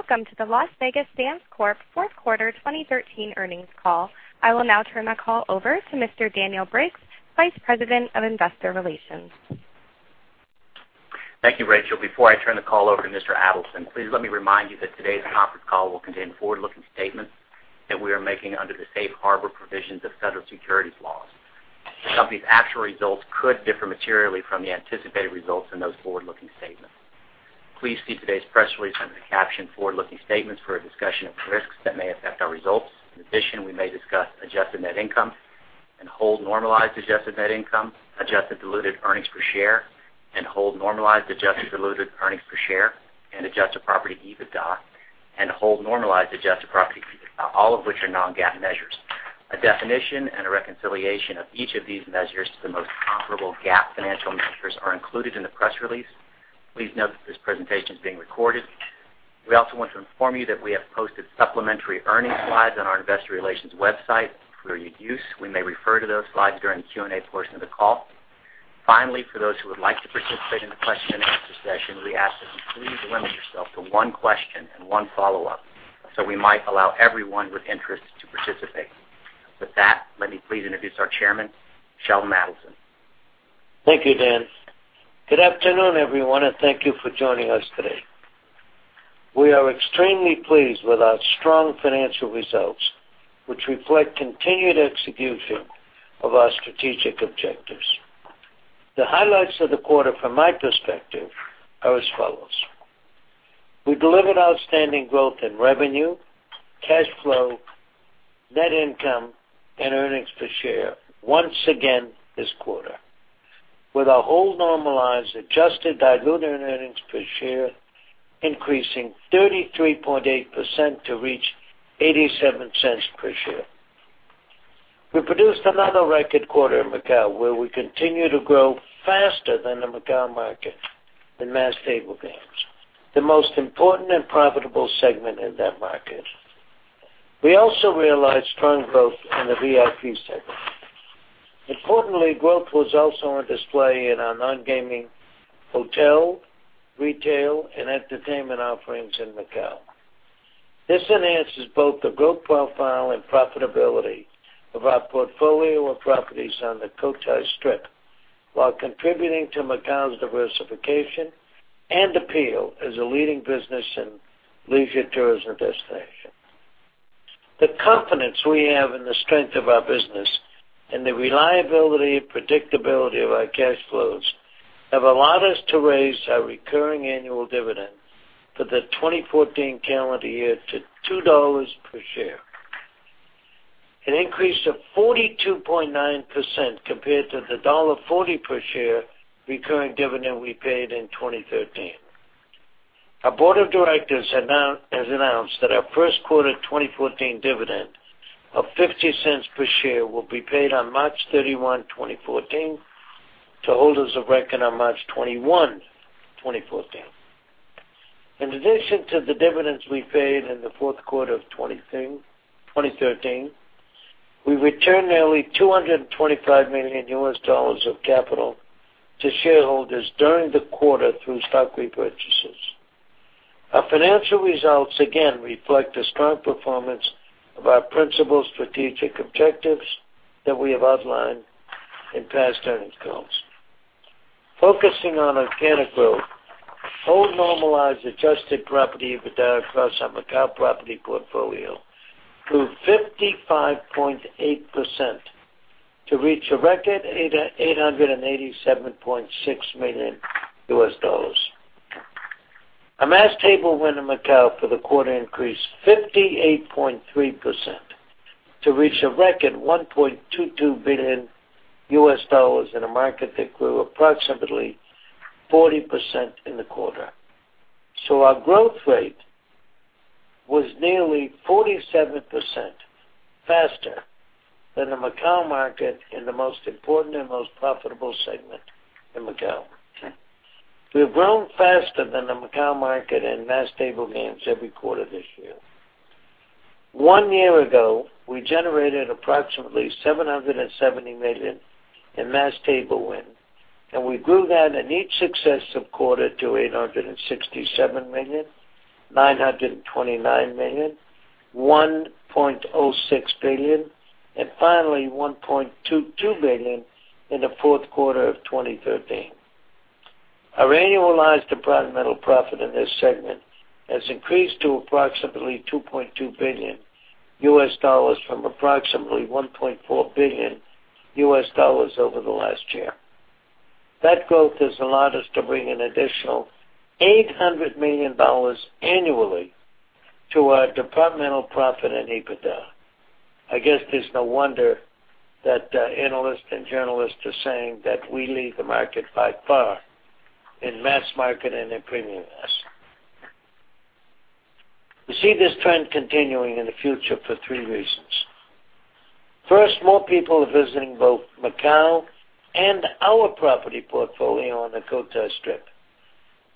Welcome to the Las Vegas Sands Corp. fourth quarter 2013 earnings call. I will now turn the call over to Mr. Daniel Briggs, Vice President of Investor Relations. Thank you, Rachel. Before I turn the call over to Mr. Adelson, please let me remind you that today's conference call will contain forward-looking statements that we are making under the safe harbor provisions of federal securities laws. The company's actual results could differ materially from the anticipated results in those forward-looking statements. Please see today's press release under the caption Forward-looking Statements for a discussion of risks that may affect our results. In addition, we may discuss adjusted net income and whole normalized adjusted net income, adjusted diluted earnings per share, and whole normalized adjusted diluted earnings per share, and adjusted property EBITDA, and whole normalized adjusted property EBITDA. All of which are non-GAAP measures. A definition and a reconciliation of each of these measures to the most comparable GAAP financial measures are included in the press release. Please note that this presentation is being recorded. We also want to inform you that we have posted supplementary earning slides on our investor relations website for your use. We may refer to those slides during the Q&A portion of the call. Finally, for those who would like to participate in the question and answer session, we ask that you please limit yourself to one question and one follow-up, so we might allow everyone with interest to participate. With that, let me please introduce our Chairman, Sheldon Adelson. Thank you, Dan. Good afternoon, everyone, and thank you for joining us today. We are extremely pleased with our strong financial results, which reflect continued execution of our strategic objectives. The highlights of the quarter from my perspective are as follows. We delivered outstanding growth in revenue, cash flow, net income, and earnings per share once again this quarter. With our whole normalized adjusted diluted earnings per share increasing 33.8% to reach $0.87 per share. We produced another record quarter in Macau, where we continue to grow faster than the Macau market in mass table games, the most important and profitable segment in that market. We also realized strong growth in the VIP segment. Importantly, growth was also on display in our non-gaming, hotel, retail, and entertainment offerings in Macau. This enhances both the growth profile and profitability of our portfolio of properties on the Cotai Strip, while contributing to Macau's diversification and appeal as a leading business and leisure tourism destination. The confidence we have in the strength of our business and the reliability and predictability of our cash flows have allowed us to raise our recurring annual dividend for the 2014 calendar year to $2 per share. An increase of 42.9% compared to the $1.40 per share recurring dividend we paid in 2013. Our board of directors has announced that our first quarter 2014 dividend of $0.50 per share will be paid on March 31, 2014, to holders of record on March 21, 2014. In addition to the dividends we paid in the fourth quarter of 2013, we returned nearly $225 million US dollars of capital to shareholders during the quarter through stock repurchases. Our financial results again reflect the strong performance of our principal strategic objectives that we have outlined in past earnings calls. Focusing on organic growth, normalized adjusted property EBITDA across our Macau property portfolio grew 55.8% to reach a record $887.6 million US dollars. Our mass table win in Macau for the quarter increased 58.3% to reach a record $1.22 billion US dollars in a market that grew approximately 40% in the quarter. Our growth rate was nearly 47% faster than the Macau market in the most important and most profitable segment in Macau. We have grown faster than the Macau market in mass table games every quarter this year. One year ago, we generated approximately $770 million in mass table win, and we grew that in each successive quarter to $867 million, $929 million, $1.06 billion, and finally $1.22 billion in the fourth quarter of 2013. Our annualized departmental profit in this segment has increased to approximately $2.2 billion US dollars from approximately $1.4 billion US dollars over the last year. That growth has allowed us to bring an additional $800 million annually to our departmental profit and EBITDA. I guess there's no wonder that analysts and journalists are saying that we lead the market by far in mass market and in premium mass. We see this trend continuing in the future for three reasons. First, more people are visiting both Macau and our property portfolio on the Cotai Strip.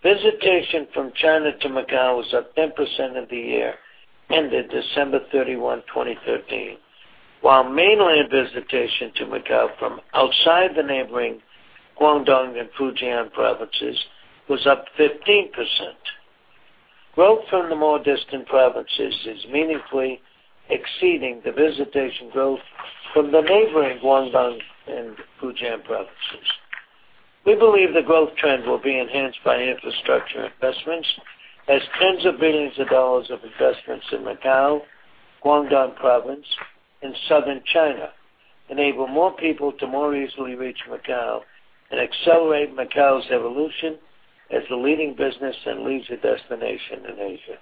Visitation from China to Macau was up 10% in the year ended December 31, 2013. While mainland visitation to Macau from outside the neighboring Guangdong and Fujian provinces was up 15%. Growth from the more distant provinces is meaningfully exceeding the visitation growth from the neighboring Guangdong and Fujian provinces. We believe the growth trend will be enhanced by infrastructure investments, as tens of billions of dollars of investments in Macau, Guangdong Province, and Southern China enable more people to more easily reach Macau and accelerate Macau's evolution as the leading business and leisure destination in Asia.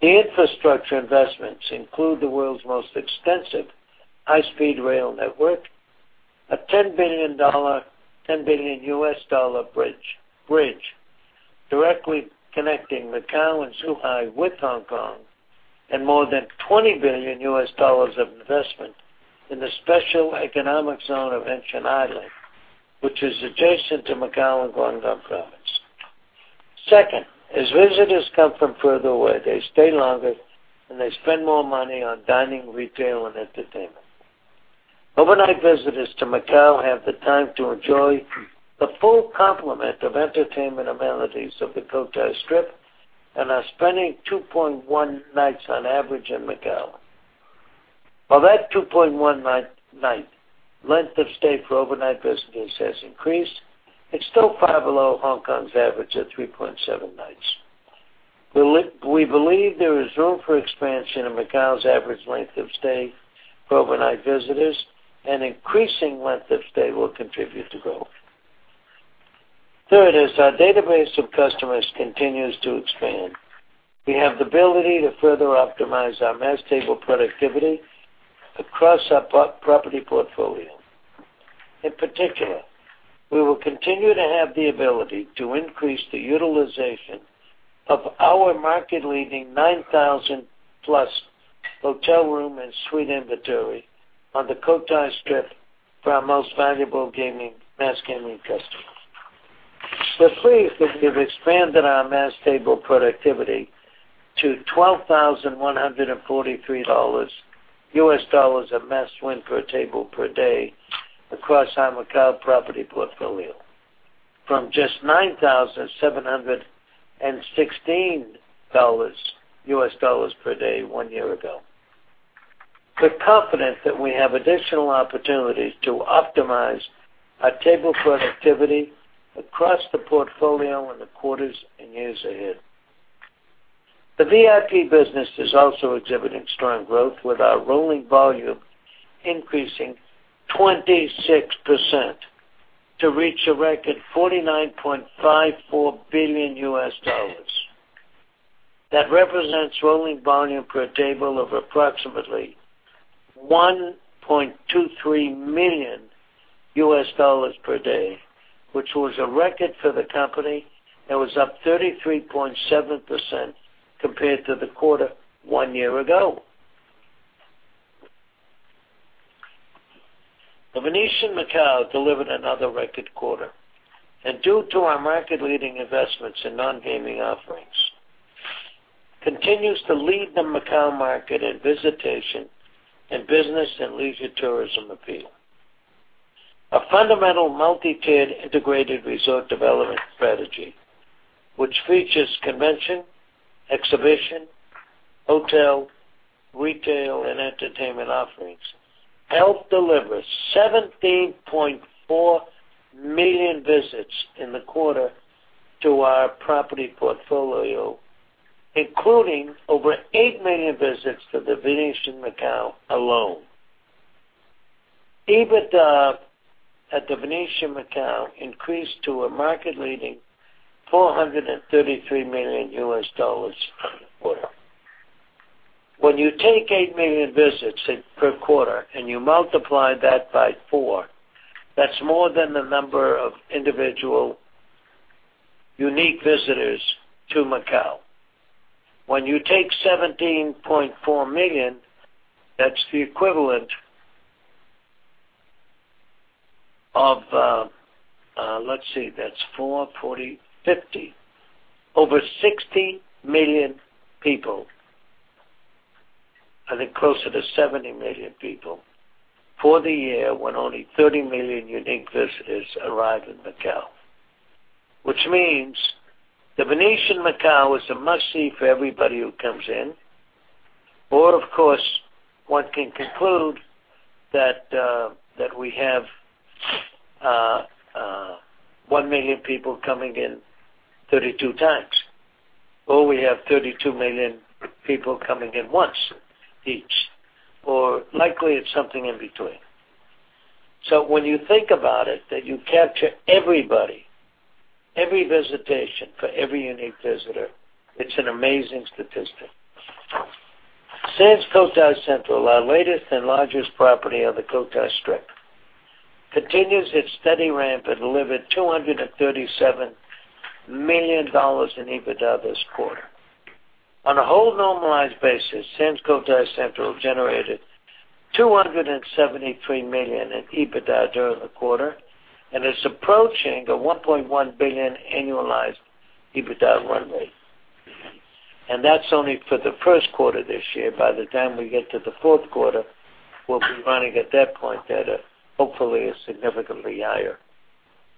The infrastructure investments include the world's most extensive high-speed rail network, a $10 billion bridge directly connecting Macau and Zhuhai with Hong Kong, and more than $20 billion of investment in the Special Economic Zone of Hengqin Island, which is adjacent to Macau and Guangdong Province. Second, as visitors come from further away, they stay longer, and they spend more money on dining, retail, and entertainment. Overnight visitors to Macau have the time to enjoy the full complement of entertainment amenities of the Cotai Strip and are spending 2.1 nights on average in Macau. While that 2.1 night length of stay for overnight visitors has increased, it's still far below Hong Kong's average of 3.7 nights. We believe there is room for expansion in Macau's average length of stay for overnight visitors, increasing length of stay will contribute to growth. Third is our database of customers continues to expand. We have the ability to further optimize our mass table productivity across our property portfolio. In particular, we will continue to have the ability to increase the utilization of our market-leading 9,000-plus hotel room and suite inventory on the Cotai Strip for our most valuable mass gaming customers. We're pleased that we have expanded our mass table productivity to $12,143 of mass win per table per day across our Macau property portfolio from just $9,716 per day one year ago. We're confident that we have additional opportunities to optimize our table productivity across the portfolio in the quarters and years ahead. The VIP business is also exhibiting strong growth, with our rolling volume increasing 26% to reach a record $49.54 billion. That represents rolling volume per table of approximately $1.23 million per day, which was a record for the company and was up 33.7% compared to the quarter one year ago. The Venetian Macao delivered another record quarter, due to our market-leading investments in non-gaming offerings, continues to lead the Macau market in visitation and business and leisure tourism appeal. A fundamental multi-tiered integrated resort development strategy, which features convention, exhibition, hotel, retail, and entertainment offerings, helped deliver 17.4 million visits in the quarter to our property portfolio, including over eight million visits to The Venetian Macao alone. EBITDA at The Venetian Macao increased to a market-leading $433 million for the quarter. When you take eight million visits per quarter and you multiply that by four, that's more than the number of individual unique visitors to Macau. When you take 17.4 million, that's the equivalent of let's see, that's four, 40, 50. Over 60 million people, I think closer to 70 million people, for the year when only 30 million unique visitors arrive in Macau. The Venetian Macao is a must-see for everybody who comes in. Of course, one can conclude that we have one million people coming in 32 times, or we have 32 million people coming in once each. Likely it's something in between. When you think about it, that you capture everybody, every visitation for every unique visitor, it's an amazing statistic. Sands Cotai Central, our latest and largest property on the Cotai Strip, continues its steady ramp. It delivered $237 million in EBITDA this quarter. On a whole normalized basis, Sands Cotai Central generated $273 million in EBITDA during the quarter and is approaching a $1.1 billion annualized EBITDA run rate. That's only for the first quarter this year. By the time we get to the fourth quarter, we'll be running at that point at a, hopefully, a significantly higher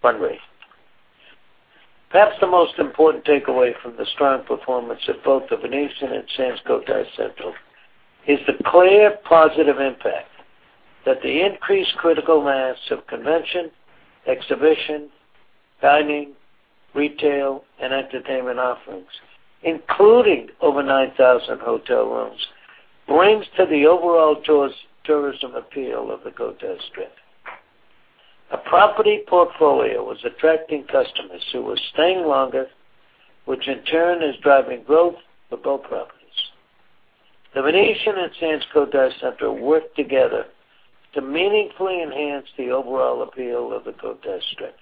run rate. Perhaps the most important takeaway from the strong performance of both The Venetian and Sands Cotai Central is the clear positive impact that the increased critical mass of convention, exhibition, dining, retail, and entertainment offerings, including over 9,000 hotel rooms, brings to the overall tourism appeal of the Cotai Strip. Our property portfolio was attracting customers who were staying longer, which in turn is driving growth for both properties. The Venetian and Sands Cotai Central work together to meaningfully enhance the overall appeal of the Cotai Strip,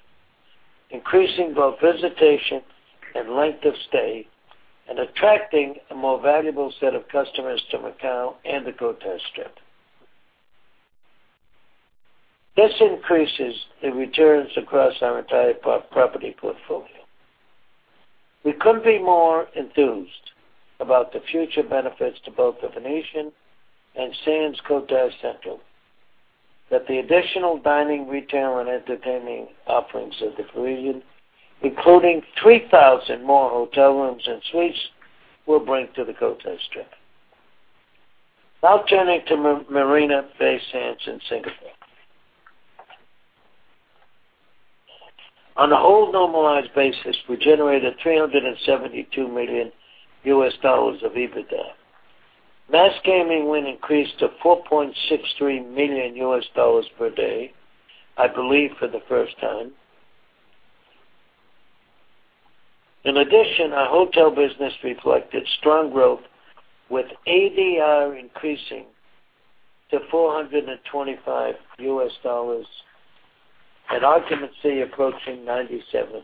increasing both visitation and length of stay and attracting a more valuable set of customers to Macau and the Cotai Strip. This increases the returns across our entire property portfolio. We couldn't be more enthused about the future benefits to both The Venetian and Sands Cotai Central, that the additional dining, retail, and entertainment offerings of The Parisian, including 3,000 more hotel rooms and suites, will bring to the Cotai Strip. Now turning to Marina Bay Sands in Singapore. On a whole normalized basis, we generated $372 million EBITDA. Mass gaming win increased to $4.63 million per day, I believe for the first time. In addition, our hotel business reflected strong growth with ADR increasing to $425 and occupancy approaching 97%.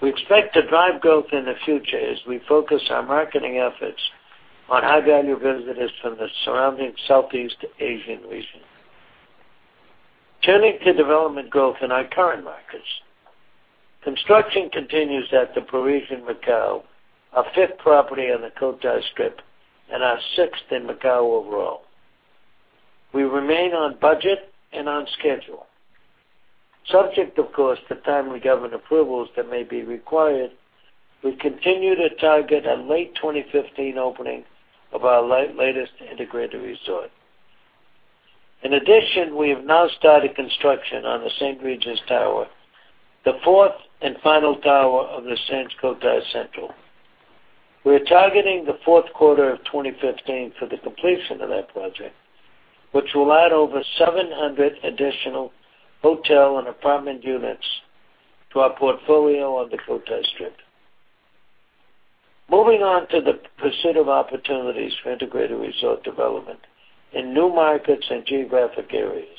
We expect to drive growth in the future as we focus our marketing efforts on high-value visitors from the surrounding Southeast Asian region. Turning to development growth in our current markets. Construction continues at The Parisian Macao, our fifth property on the Cotai Strip and our sixth in Macau overall. We remain on budget and on schedule. Subject, of course, to timely government approvals that may be required, we continue to target a late 2015 opening of our latest integrated resort. In addition, we have now started construction on The St. Regis Tower, the fourth and final tower of the Sands Cotai Central. We're targeting the fourth quarter of 2015 for the completion of that project, which will add over 700 additional hotel and apartment units to our portfolio on the Cotai Strip. Moving on to the pursuit of opportunities for integrated resort development in new markets and geographic areas.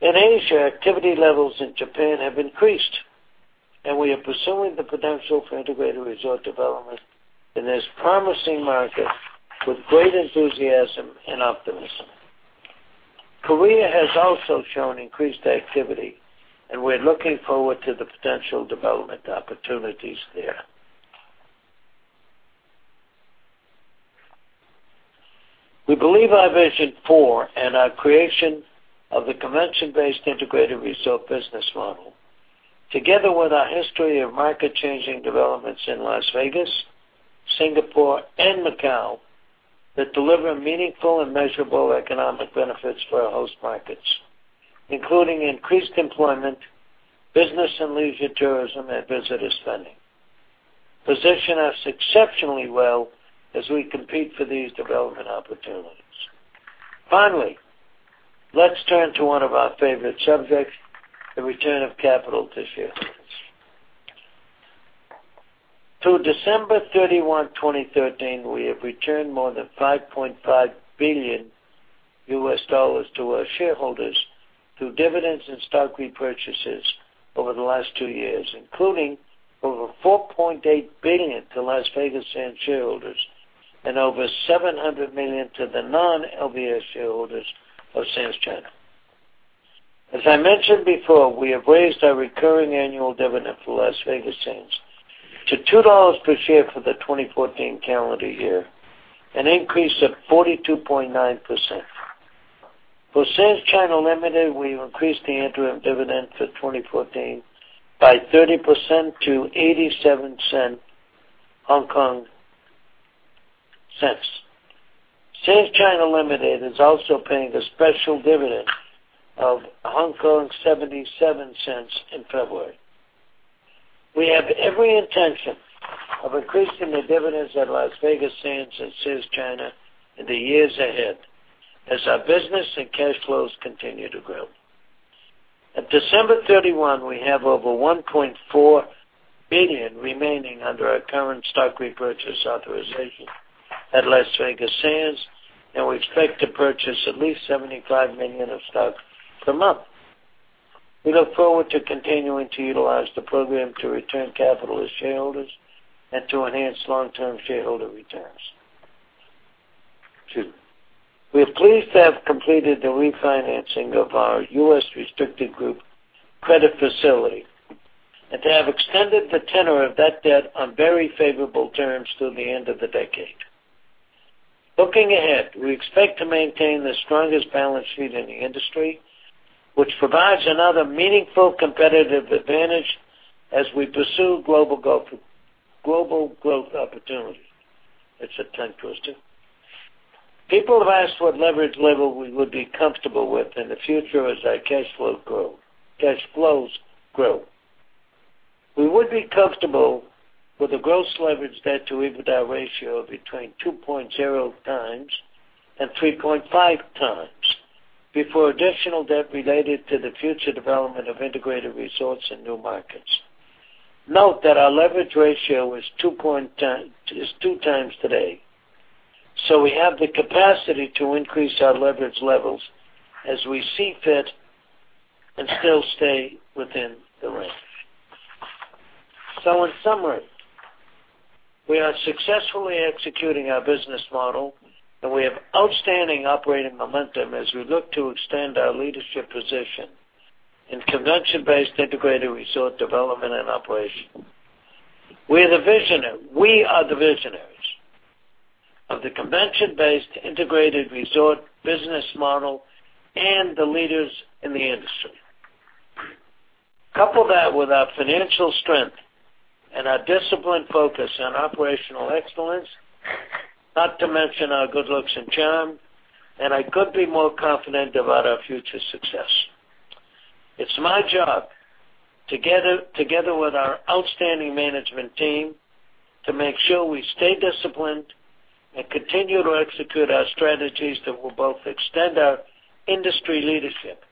In Asia, activity levels in Japan have increased, we are pursuing the potential for integrated resort development in this promising market with great enthusiasm and optimism. Korea has also shown increased activity, we're looking forward to the potential development opportunities there. We believe our Vision four and our creation of the convention-based integrated resort business model, together with our history of market-changing developments in Las Vegas, Singapore, and Macau that deliver meaningful and measurable economic benefits for our host markets, including increased employment, business and leisure tourism, and visitor spending, position us exceptionally well as we compete for these development opportunities. Finally, let's turn to one of our favorite subjects, the return of capital to shareholders. Through December 31, 2013, we have returned more than $5.5 billion to our shareholders through dividends and stock repurchases over the last two years, including over $4.8 billion to Las Vegas Sands shareholders and over $700 million to the non-LVS shareholders of Sands China. As I mentioned before, we have raised our recurring annual dividend for Las Vegas Sands to $2 per share for the 2014 calendar year, an increase of 42.9%. For Sands China Limited, we increased the interim dividend for 2014 by 30% to HKD 0.87. Sands China Limited is also paying a special dividend of 0.77 in February. We have every intention of increasing the dividends at Las Vegas Sands and Sands China in the years ahead as our business and cash flows continue to grow. At December 31, we have over $1.4 billion remaining under our current stock repurchase authorization at Las Vegas Sands, and we expect to purchase at least $75 million of stock per month. We look forward to continuing to utilize the program to return capital to shareholders and to enhance long-term shareholder returns. Two, we are pleased to have completed the refinancing of our U.S. restricted group credit facility and to have extended the tenure of that debt on very favorable terms through the end of the decade. Looking ahead, we expect to maintain the strongest balance sheet in the industry, which provides another meaningful competitive advantage as we pursue global growth opportunities. It's a tongue twister. People have asked what leverage level we would be comfortable with in the future as our cash flows grow. We would be comfortable with a gross leverage debt to EBITDA ratio of between 2.0 times and 3.5 times before additional debt related to the future development of integrated resorts in new markets. Note that our leverage ratio is 2 times today. We have the capacity to increase our leverage levels as we see fit and still stay within the range. In summary, we are successfully executing our business model, and we have outstanding operating momentum as we look to extend our leadership position in convention-based integrated resort development and operation. We are the visionaries of the convention-based integrated resort business model and the leaders in the industry. Couple that with our financial strength and our disciplined focus on operational excellence, not to mention our good looks and charm, and I couldn't be more confident about our future success. It's my job, together with our outstanding management team, to make sure we stay disciplined and continue to execute our strategies that will both extend our industry leadership,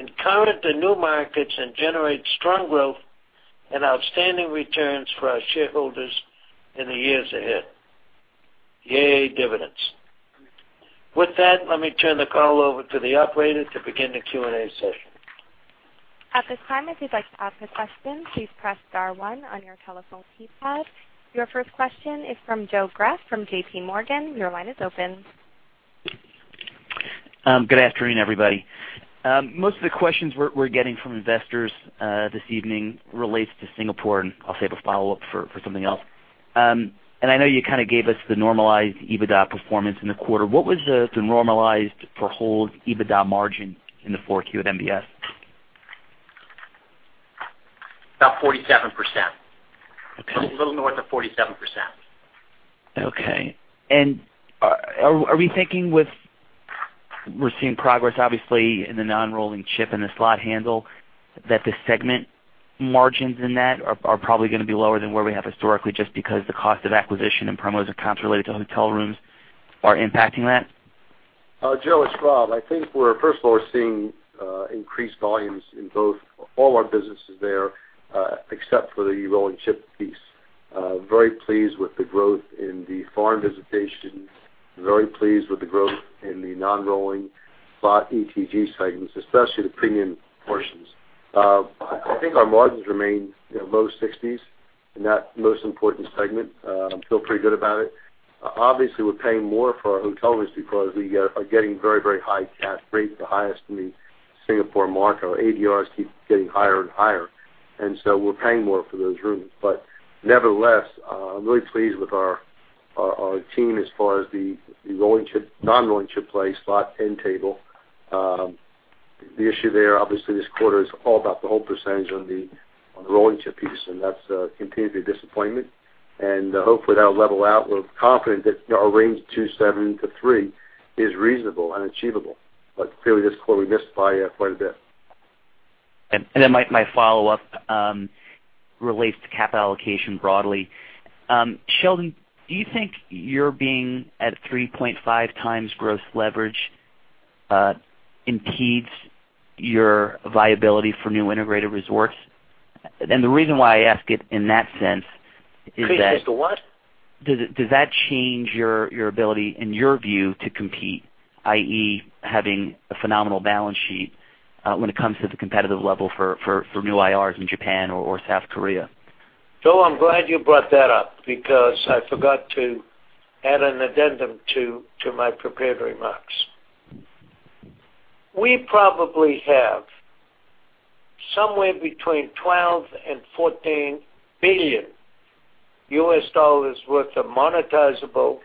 encounter the new markets, and generate strong growth and outstanding returns for our shareholders in the years ahead. Yay, dividends. With that, let me turn the call over to the operator to begin the Q&A session. At this time, if you'd like to ask a question, please press star one on your telephone keypad. Your first question is from Joe Greff from J.P. Morgan. Your line is open. Good afternoon, everybody. Most of the questions we're getting from investors this evening relates to Singapore, I'll save a follow-up for something else. I know you kind of gave us the normalized EBITDA performance in the quarter. What was the normalized for hold EBITDA margin in the four Q at MBS? About 47%. Okay. A little north of 47%. Okay. Are we thinking with we're seeing progress, obviously, in the non-rolling chip and the slot handle, that the segment margins in that are probably going to be lower than where we have historically, just because the cost of acquisition and promos and comps related to hotel rooms are impacting that? Joe, it's Rob. I think first of all, we're seeing increased volumes in all our businesses there except for the rolling chip piece. Very pleased with the growth in the foreign visitation, very pleased with the growth in the non-rolling slot ETG segments, especially the premium portions. I think our margins remain low sixties in that most important segment. Feel pretty good about it. Obviously, we're paying more for our hotel rooms because we are getting very high CAP rates, the highest in the Singapore market. Our ADRs keep getting higher and higher, we're paying more for those rooms. Nevertheless, I'm really pleased with our team as far as the non-rolling chip play, slot end table. The issue there, obviously, this quarter is all about the hold percentage on the rolling chip piece, and that's continued to be a disappointment. Hopefully, that'll level out. We're confident that our range 2.7%-3% is reasonable and achievable. Clearly, this quarter, we missed by quite a bit. My follow-up relates to capital allocation broadly. Sheldon, do you think your being at 3.5x gross leverage impedes your viability for new integrated resorts? Impedes the what? Does that change your ability, in your view, to compete, i.e., having a phenomenal balance sheet when it comes to the competitive level for new IRs in Japan or South Korea? Joe, I'm glad you brought that up because I forgot to add an addendum to my prepared remarks. We probably have somewhere between $12 billion-$14 billion US dollars worth of monetizable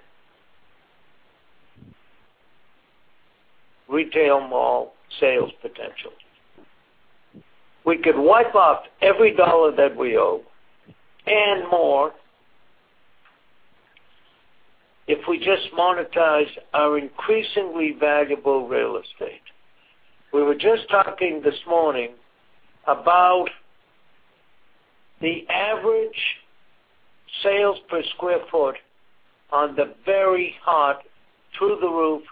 retail mall sales potential. We could wipe out every dollar that we owe and more if we just monetize our increasingly valuable real estate. We were just talking this morning about the average sales per square foot on the very hot, through-the-roof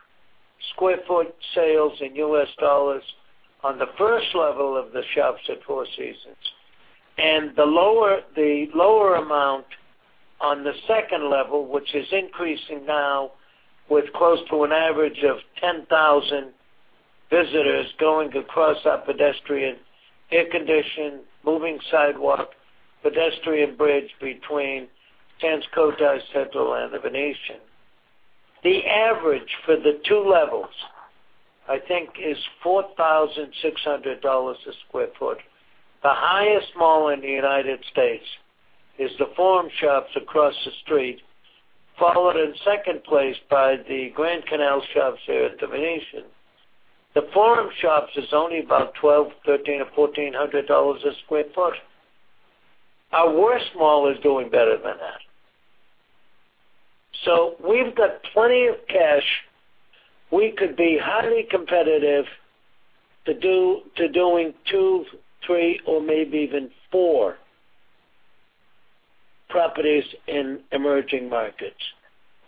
square foot sales in US dollars on the first level of the Shoppes at Four Seasons, and the lower amount on the second level, which is increasing now with close to an average of 10,000 visitors going across our pedestrian, air-conditioned, moving sidewalk, pedestrian bridge between Sands Cotai Central and The Venetian. The average for the two levels, I think, is $4,600 a sq ft. The highest mall in the U.S. is The Forum Shops across the street, followed in second place by the Grand Canal Shoppes here at The Venetian. The Forum Shops is only about $1,200, $1,300 or $1,400 a sq ft. Our worst mall is doing better than that. We've got plenty of cash. We could be highly competitive to doing two, three, or maybe even four properties in emerging markets.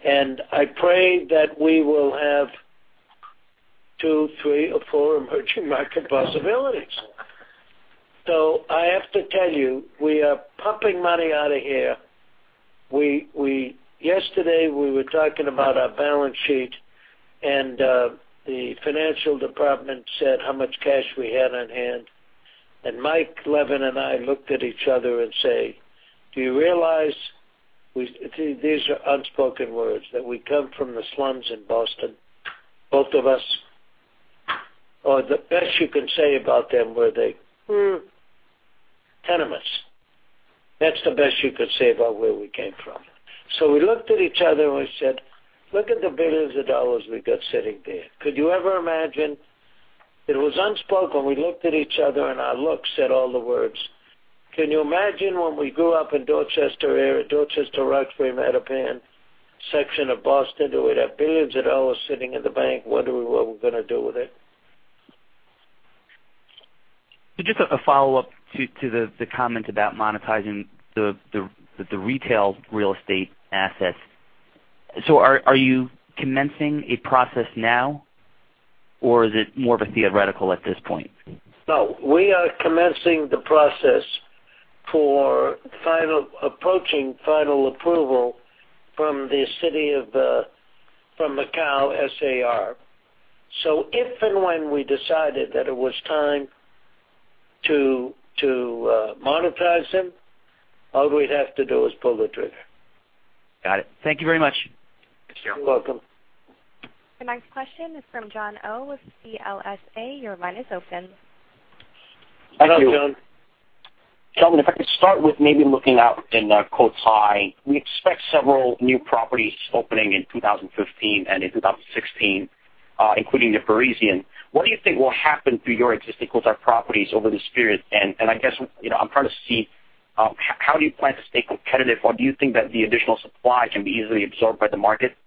I pray that we will have two, three, or four emerging market possibilities. I have to tell you, we are pumping money out of here. Yesterday, we were talking about our balance sheet, and the financial department said how much cash we had on hand. Mike Leven and I looked at each other and say, "Do you realize," these are unspoken words, "that we come from the slums in Boston, both of us?" The best you can say about them were they, tenements. That's the best you could say about where we came from. We looked at each other and we said, "Look at the $ billions we got sitting there. Could you ever imagine?" It was unspoken. We looked at each other, and our look said all the words. Can you imagine when we grew up in Dorchester area, Dorchester, Roxbury, Mattapan section of Boston, that we'd have $ billions sitting in the bank, wondering what we're going to do with it? Just a follow-up to the comment about monetizing the retail real estate assets. Are you commencing a process now, or is it more of a theoretical at this point? No, we are commencing the process for approaching final approval from the city from Macau SAR. If and when we decided that it was time to monetize them, all we'd have to do is pull the trigger. Got it. Thank you very much. You're welcome. The next question is from Jon Oh with CLSA. Your line is open. Hello, Jon. Jon, if I could start with maybe looking out in Cotai. We expect several new properties opening in 2015 and in 2016, including The Parisian. What do you think will happen to your existing Cotai properties over this period? I guess, I'm trying to see, how do you plan to stay competitive, or do you think that the additional supply can be easily absorbed by the market?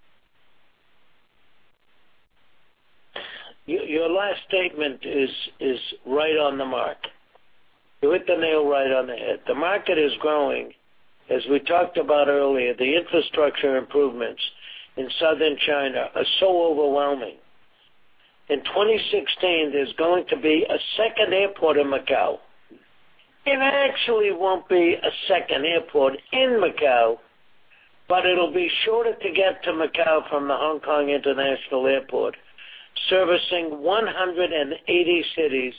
Your last statement is right on the mark. You hit the nail right on the head. The market is growing. As we talked about earlier, the infrastructure improvements in Southern China are so overwhelming. In 2016, there's going to be a second airport in Macau. It actually won't be a second airport in Macau, but it'll be shorter to get to Macau from the Hong Kong International Airport, servicing 180 cities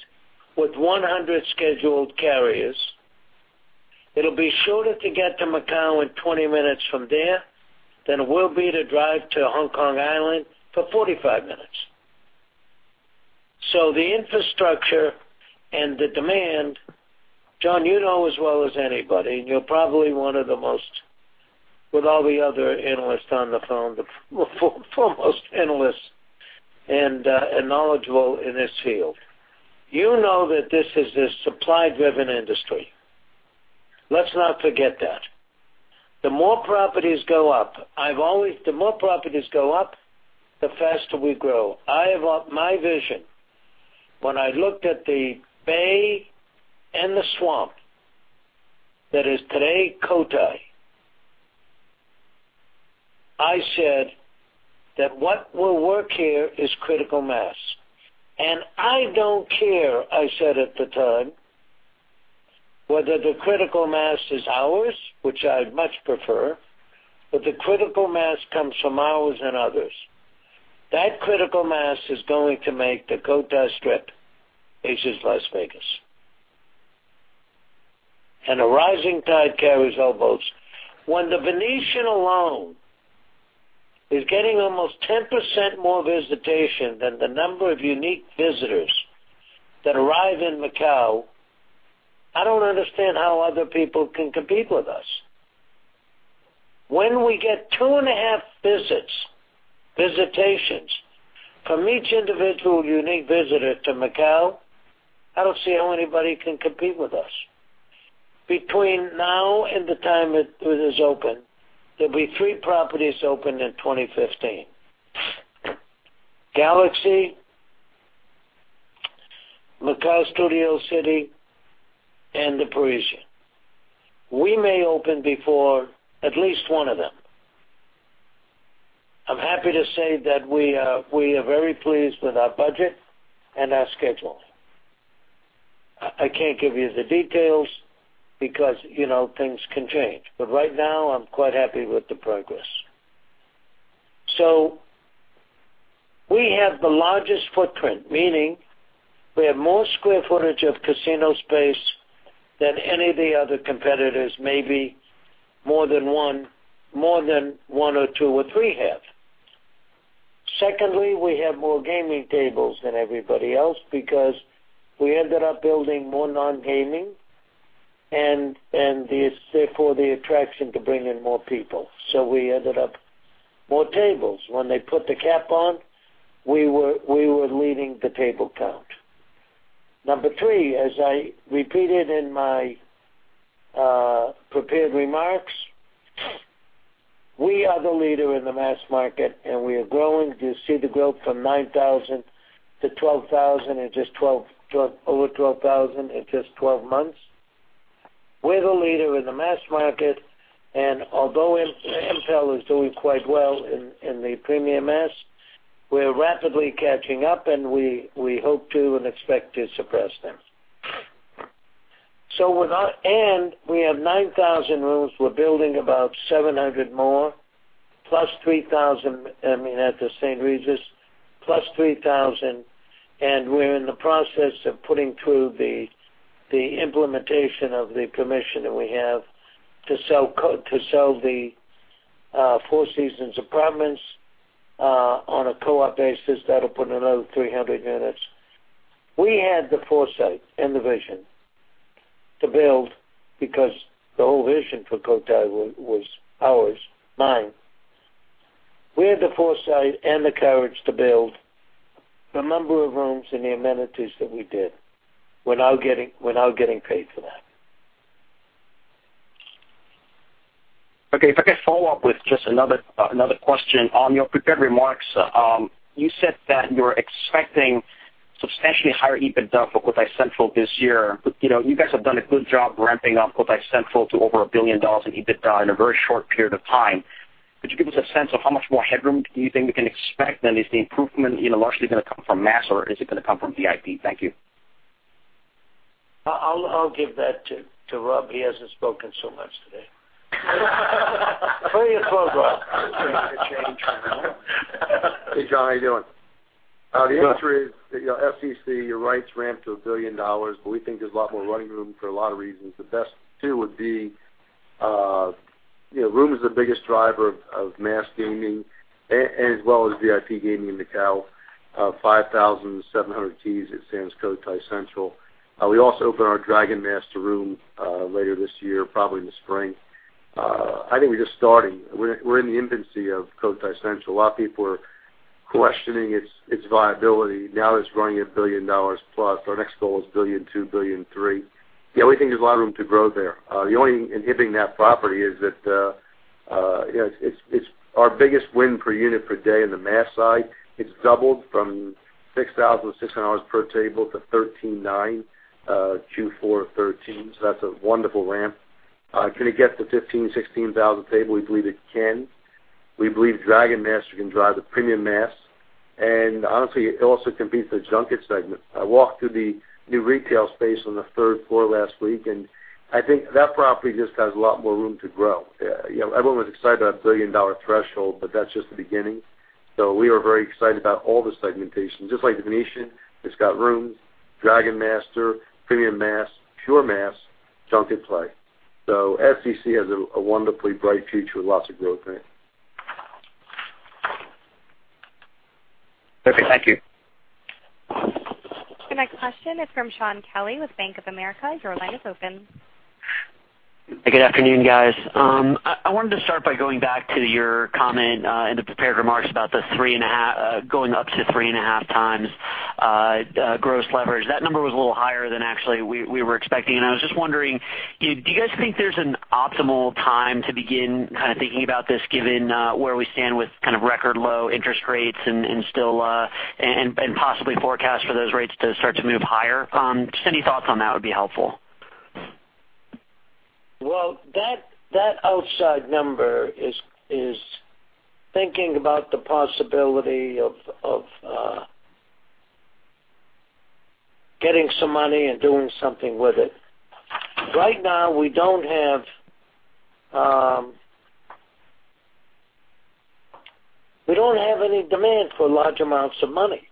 with 100 scheduled carriers. It'll be shorter to get to Macau in 20 minutes from there than it will be to drive to Hong Kong Island for 45 minutes. The infrastructure and the demand, Jon, you know as well as anybody, and you're probably one of the most, with all the other analysts on the phone, the foremost analyst and knowledgeable in this field. You know that this is a supply-driven industry. Let's not forget that. The more properties go up, the faster we grow. My vision, when I looked at the bay and the swamp that is today Cotai, I said that what will work here is critical mass. I don't care, I said at the time, whether the critical mass is ours, which I'd much prefer, but the critical mass comes from ours and others. That critical mass is going to make the Cotai Strip Asia's Las Vegas. A rising tide carries all boats. When The Venetian alone is getting almost 10% more visitation than the number of unique visitors that arrive in Macau, I don't understand how other people can compete with us. When we get 2.5 visits, visitations, from each individual unique visitor to Macau, I don't see how anybody can compete with us. Between now and the time it is open, there'll be three properties open in 2015. Galaxy, Studio City Macau, and The Parisian Macao. We may open before at least one of them. I'm happy to say that we are very pleased with our budget and our schedule I can't give you the details because things can change. Right now, I'm quite happy with the progress. We have the largest footprint, meaning we have more square footage of casino space than any of the other competitors, maybe more than one or two or three have. Secondly, we have more gaming tables than everybody else because we ended up building more non-gaming, and therefore, the attraction to bring in more people. We ended up more tables. When they put the cap on, we were leading the table count. Number 3, as I repeated in my prepared remarks, we are the leader in the mass market, and we are growing. You see the growth from 9,000 to 12,000 in just 12 months. We're the leader in the mass market, although MPEL is doing quite well in the premium mass, we're rapidly catching up, and we hope to and expect to suppress them. We have 9,000 rooms. We're building about 700 more, plus 3,000 at The St. Regis, and we're in the process of putting through the implementation of the permission that we have to sell the Four Seasons apartments on a co-op basis. That'll put another 300 units. We had the foresight and the Vision to build because the whole Vision for Cotai was ours, mine. We had the foresight and the courage to build the number of rooms and the amenities that we did without getting paid for that. Okay. If I could follow up with just another question. On your prepared remarks, you said that you're expecting substantially higher EBITDA for Sands Cotai Central this year. You guys have done a good job ramping up Sands Cotai Central to over $1 billion in EBITDA in a very short period of time. Could you give us a sense of how much more headroom do you think we can expect, and is the improvement largely going to come from mass, or is it going to come from VIP? Thank you. I'll give that to Rob. He hasn't spoken so much today. Clear your throat, Rob. Hey, Jon. How you doing? The answer is, SCC, you're right, it's ramped to $1 billion, we think there's a lot more running room for a lot of reasons. The best two would be, room is the biggest driver of mass gaming, as well as VIP gaming in Macau. 5,700 keys at Sands Cotai Central. We also open our Dragon Master room later this year, probably in the spring. I think we're just starting. We're in the infancy of Sands Cotai Central. A lot of people were questioning its viability. Now it's running $1 billion plus. Our next goal is $1.2 billion, $1.3 billion. We think there's a lot of room to grow there. The only thing inhibiting that property is that it's our biggest win per unit per day in the mass side. It's doubled from $6,600 per table to $13,900, Q4 2013. That's a wonderful ramp. Can it get to $15,000, $16,000 a table? We believe it can. We believe Dragon Master can drive the premium mass, and honestly, it also competes with the junket segment. I walked through the new retail space on the third floor last week, and I think that property just has a lot more room to grow. Everyone was excited about a billion-dollar threshold, but that's just the beginning. We are very excited about all the segmentation. Just like The Venetian, it's got rooms, Dragon Master, premium mass, pure mass, junket play. SCC has a wonderfully bright future with lots of growth there. Okay. Thank you. The next question is from Shaun Kelley with Bank of America. Your line is open. Good afternoon, guys. I wanted to start by going back to your comment in the prepared remarks about going up to 3.5 times gross leverage. That number was a little higher than actually we were expecting, and I was just wondering, do you guys think there's an optimal time to begin thinking about this, given where we stand with record low interest rates, and possibly forecast for those rates to start to move higher? Just any thoughts on that would be helpful. Well, that outside number is thinking about the possibility of getting some money and doing something with it. Right now, we don't have any demand for large amounts of money.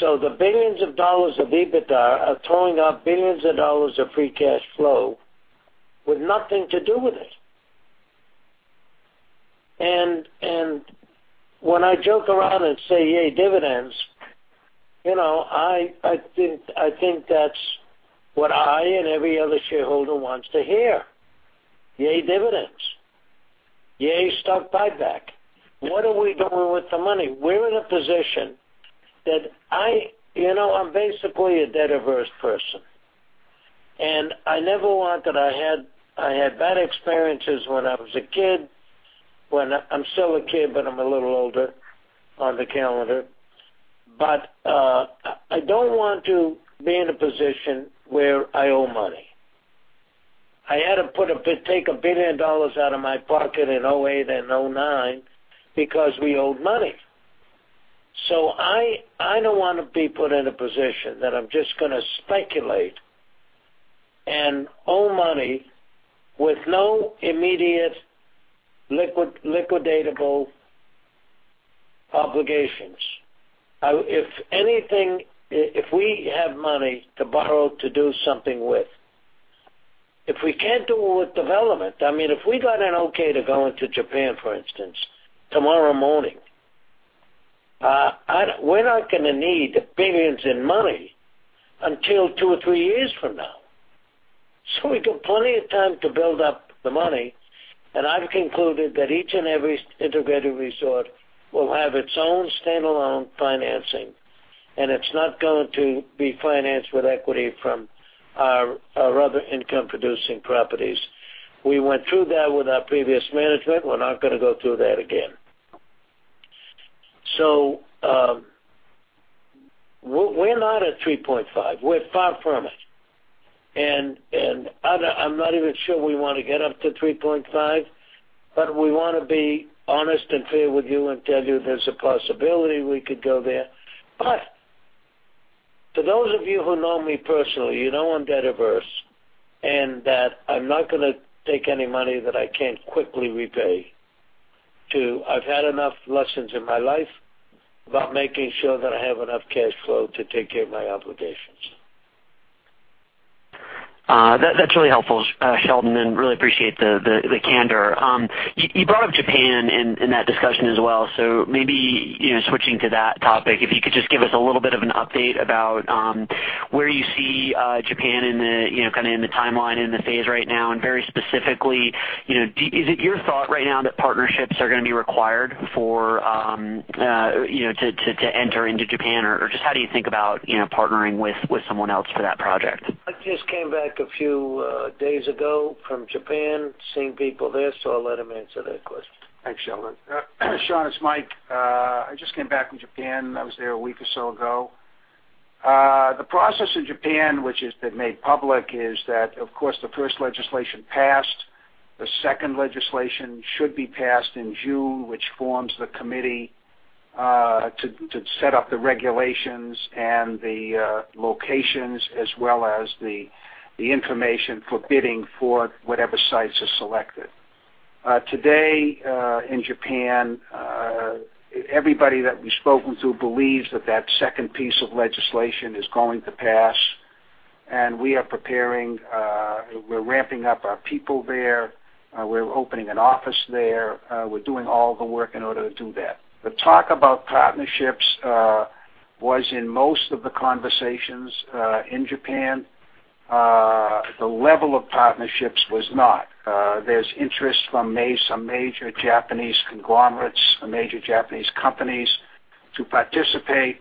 The billions of dollars of EBITDA are throwing off billions of dollars of free cash flow with nothing to do with it. When I joke around and say, "Yay, dividends," I think that's what I and every other shareholder wants to hear. Yay, dividends. Yay, stock buyback. What are we doing with the money? We're in a position that I'm basically a debt-averse person, and I never want that I had bad experiences when I was a kid. I'm still a kid, but I'm a little older on the calendar. I don't want to be in a position where I owe money. I had to take $1 billion out of my pocket in 2008 and 2009 because we owed money. I don't want to be put in a position that I'm just going to speculate and owe money with no immediate liquidatable obligations. If we have money to borrow to do something with, if we can't do it with development, if we got an okay to go into Japan, for instance, tomorrow morning, we're not going to need the billions of dollars until 2 or 3 years from now. We got plenty of time to build up the money, and I've concluded that each and every integrated resort will have its own standalone financing, and it's not going to be financed with equity from our other income-producing properties. We went through that with our previous management. We're not going to go through that again. We're not at 3.5. We're far from it, and I'm not even sure we want to get up to 3.5, but we want to be honest and fair with you and tell you there's a possibility we could go there. For those of you who know me personally, you know I'm debt-averse and that I'm not going to take any money that I can't quickly repay to. I've had enough lessons in my life about making sure that I have enough cash flow to take care of my obligations. That's really helpful, Sheldon, and really appreciate the candor. You brought up Japan in that discussion as well, so maybe switching to that topic, if you could just give us a little bit of an update about where you see Japan in the timeline, in the phase right now, and very specifically, is it your thought right now that partnerships are going to be required to enter into Japan? Just how do you think about partnering with someone else for that project? I just came back a few days ago from Japan, seeing people there, so I'll let him answer that question. Thanks, Sheldon. Shaun, it's Mike. I just came back from Japan. I was there a week or so ago. The process in Japan, which has been made public, is that, of course, the first legislation passed. The second legislation should be passed in June, which forms the committee to set up the regulations and the locations as well as the information for bidding for whatever sites are selected. Today in Japan, everybody that we've spoken to believes that that second piece of legislation is going to pass, and we are preparing. We're ramping up our people there. We're opening an office there. We're doing all the work in order to do that. The talk about partnerships was in most of the conversations in Japan. The level of partnerships was not. There's interest from some major Japanese conglomerates, some major Japanese companies to participate.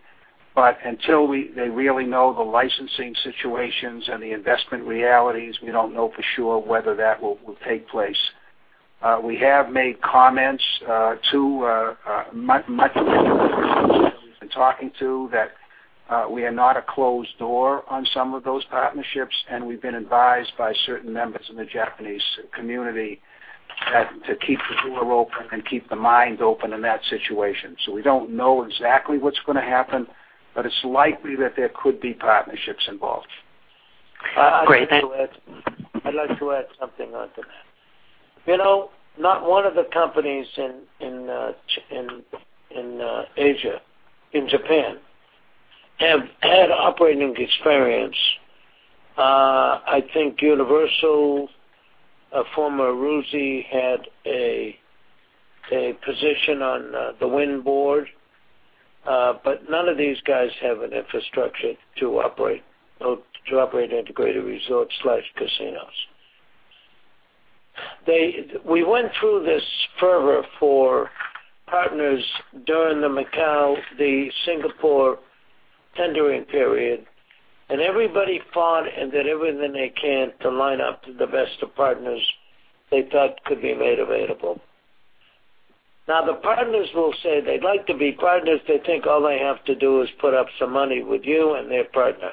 Until they really know the licensing situations and the investment realities, we don't know for sure whether that will take place. We have made comments to much of the people that we've been talking to that we are not a closed door on some of those partnerships, and we've been advised by certain members of the Japanese community to keep the door open and keep the mind open in that situation. We don't know exactly what's going to happen, but it's likely that there could be partnerships involved. Great. I'd like to add something onto that. Not one of the companies in Asia, in Japan, have had operating experience. I think Universal, former Aruze, had a position on the Wynn board. None of these guys have an infrastructure to operate integrated resorts/casinos. We went through this fervor for partners during the Macau, the Singapore tendering period, and everybody fought and did everything they can to line up the best of partners they thought could be made available. The partners will say they'd like to be partners. They think all they have to do is put up some money with you and their partner.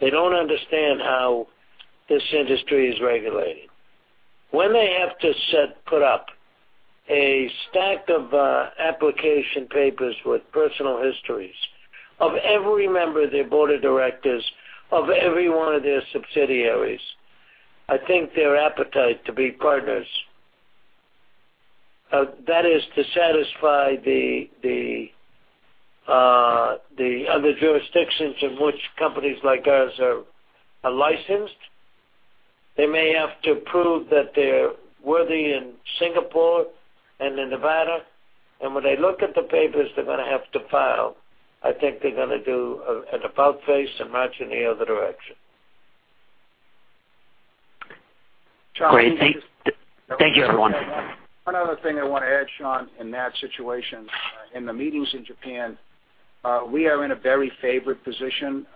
They don't understand how this industry is regulated. When they have to put up a stack of application papers with personal histories of every member of their board of directors, of every one of their subsidiaries, I think their appetite to be partners. That is to satisfy the other jurisdictions in which companies like ours are licensed. They may have to prove that they're worthy in Singapore and in Nevada. When they look at the papers they're going to have to file, I think they're going to do an about-face and march in the other direction. Great. Thank you, everyone. One other thing I want to add, Shaun, in that situation, in the meetings in Japan, we are in a very favored position.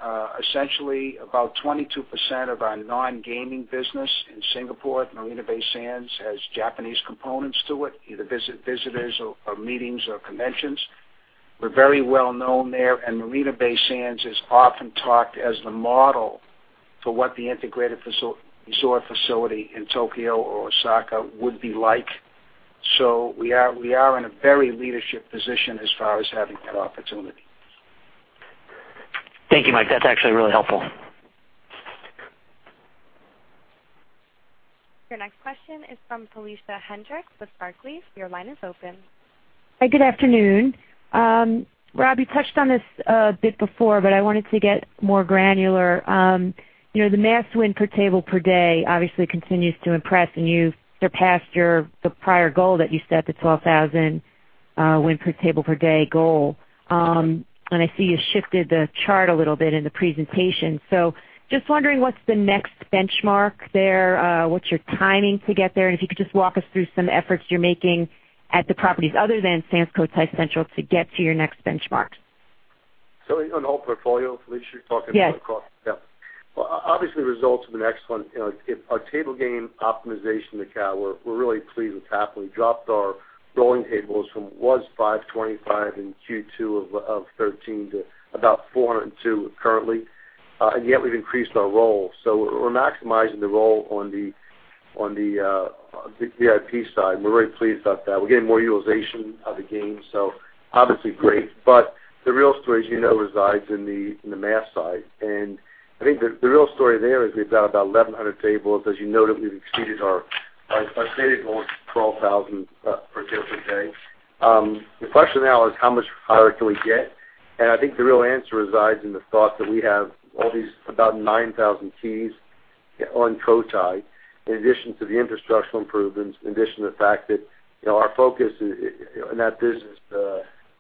Essentially about 22% of our non-gaming business in Singapore at Marina Bay Sands has Japanese components to it, either visitors or meetings or conventions. We're very well known there, and Marina Bay Sands is often talked as the model for what the integrated resort facility in Tokyo or Osaka would be like. We are in a very leadership position as far as having that opportunity. Thank you, Mike. That's actually really helpful. Your next question is from Felicia Hendrix with Barclays. Your line is open. Hi, good afternoon. Rob, you touched on this a bit before, I wanted to get more granular. The mass win per table per day obviously continues to impress, and you've surpassed the prior goal that you set, the 12,000 win per table per day goal. I see you shifted the chart a little bit in the presentation. Just wondering what's the next benchmark there, what's your timing to get there, and if you could just walk us through some efforts you're making at the properties other than Sands Cotai Central to get to your next benchmark. On the whole portfolio, Felicia, you're talking about cost? Yes. Obviously, the results have been excellent. Our table game optimization, the count, we're really pleased with that. We dropped our rolling tables from what was 525 in Q2 of 2013 to about 402 currently. Yet we've increased our roll. We're maximizing the roll on the VIP side, and we're very pleased about that. We're getting more utilization of the game, obviously great. The real story, as you know, resides in the mass side. I think the real story there is we've got about 1,100 tables. As you noted, we've exceeded our stated goal of 12,000 per table per day. The question now is how much higher can we get? I think the real answer resides in the thought that we have all these about 9,000 keys on Cotai, in addition to the infrastructural improvements, in addition to the fact that our focus in that business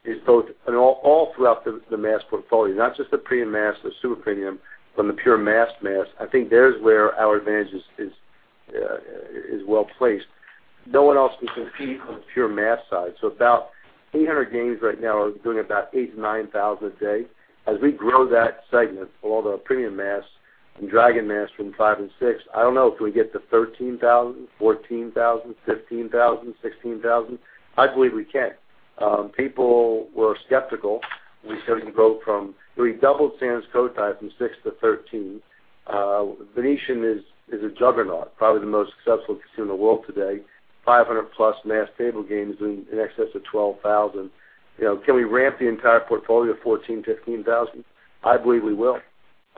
is both and all throughout the mass portfolio, not just the premium mass, the super premium, but on the pure mass. I think there's where our advantage is well-placed. No one else can compete on the pure mass side. About 800 games right now are doing about 8,000-9,000 a day. As we grow that segment, although our premium mass and Dragon Master from 5 and 6, I don't know, can we get to 13,000, 14,000, 15,000, 16,000? I believe we can. People were skeptical when we said we can go from-- We doubled Sands Cotai from 6 to 13. Venetian is a juggernaut, probably the most successful casino in the world today, 500-plus mass table games in excess of 12,000. Can we ramp the entire portfolio to 14,000, 15,000? I believe we will.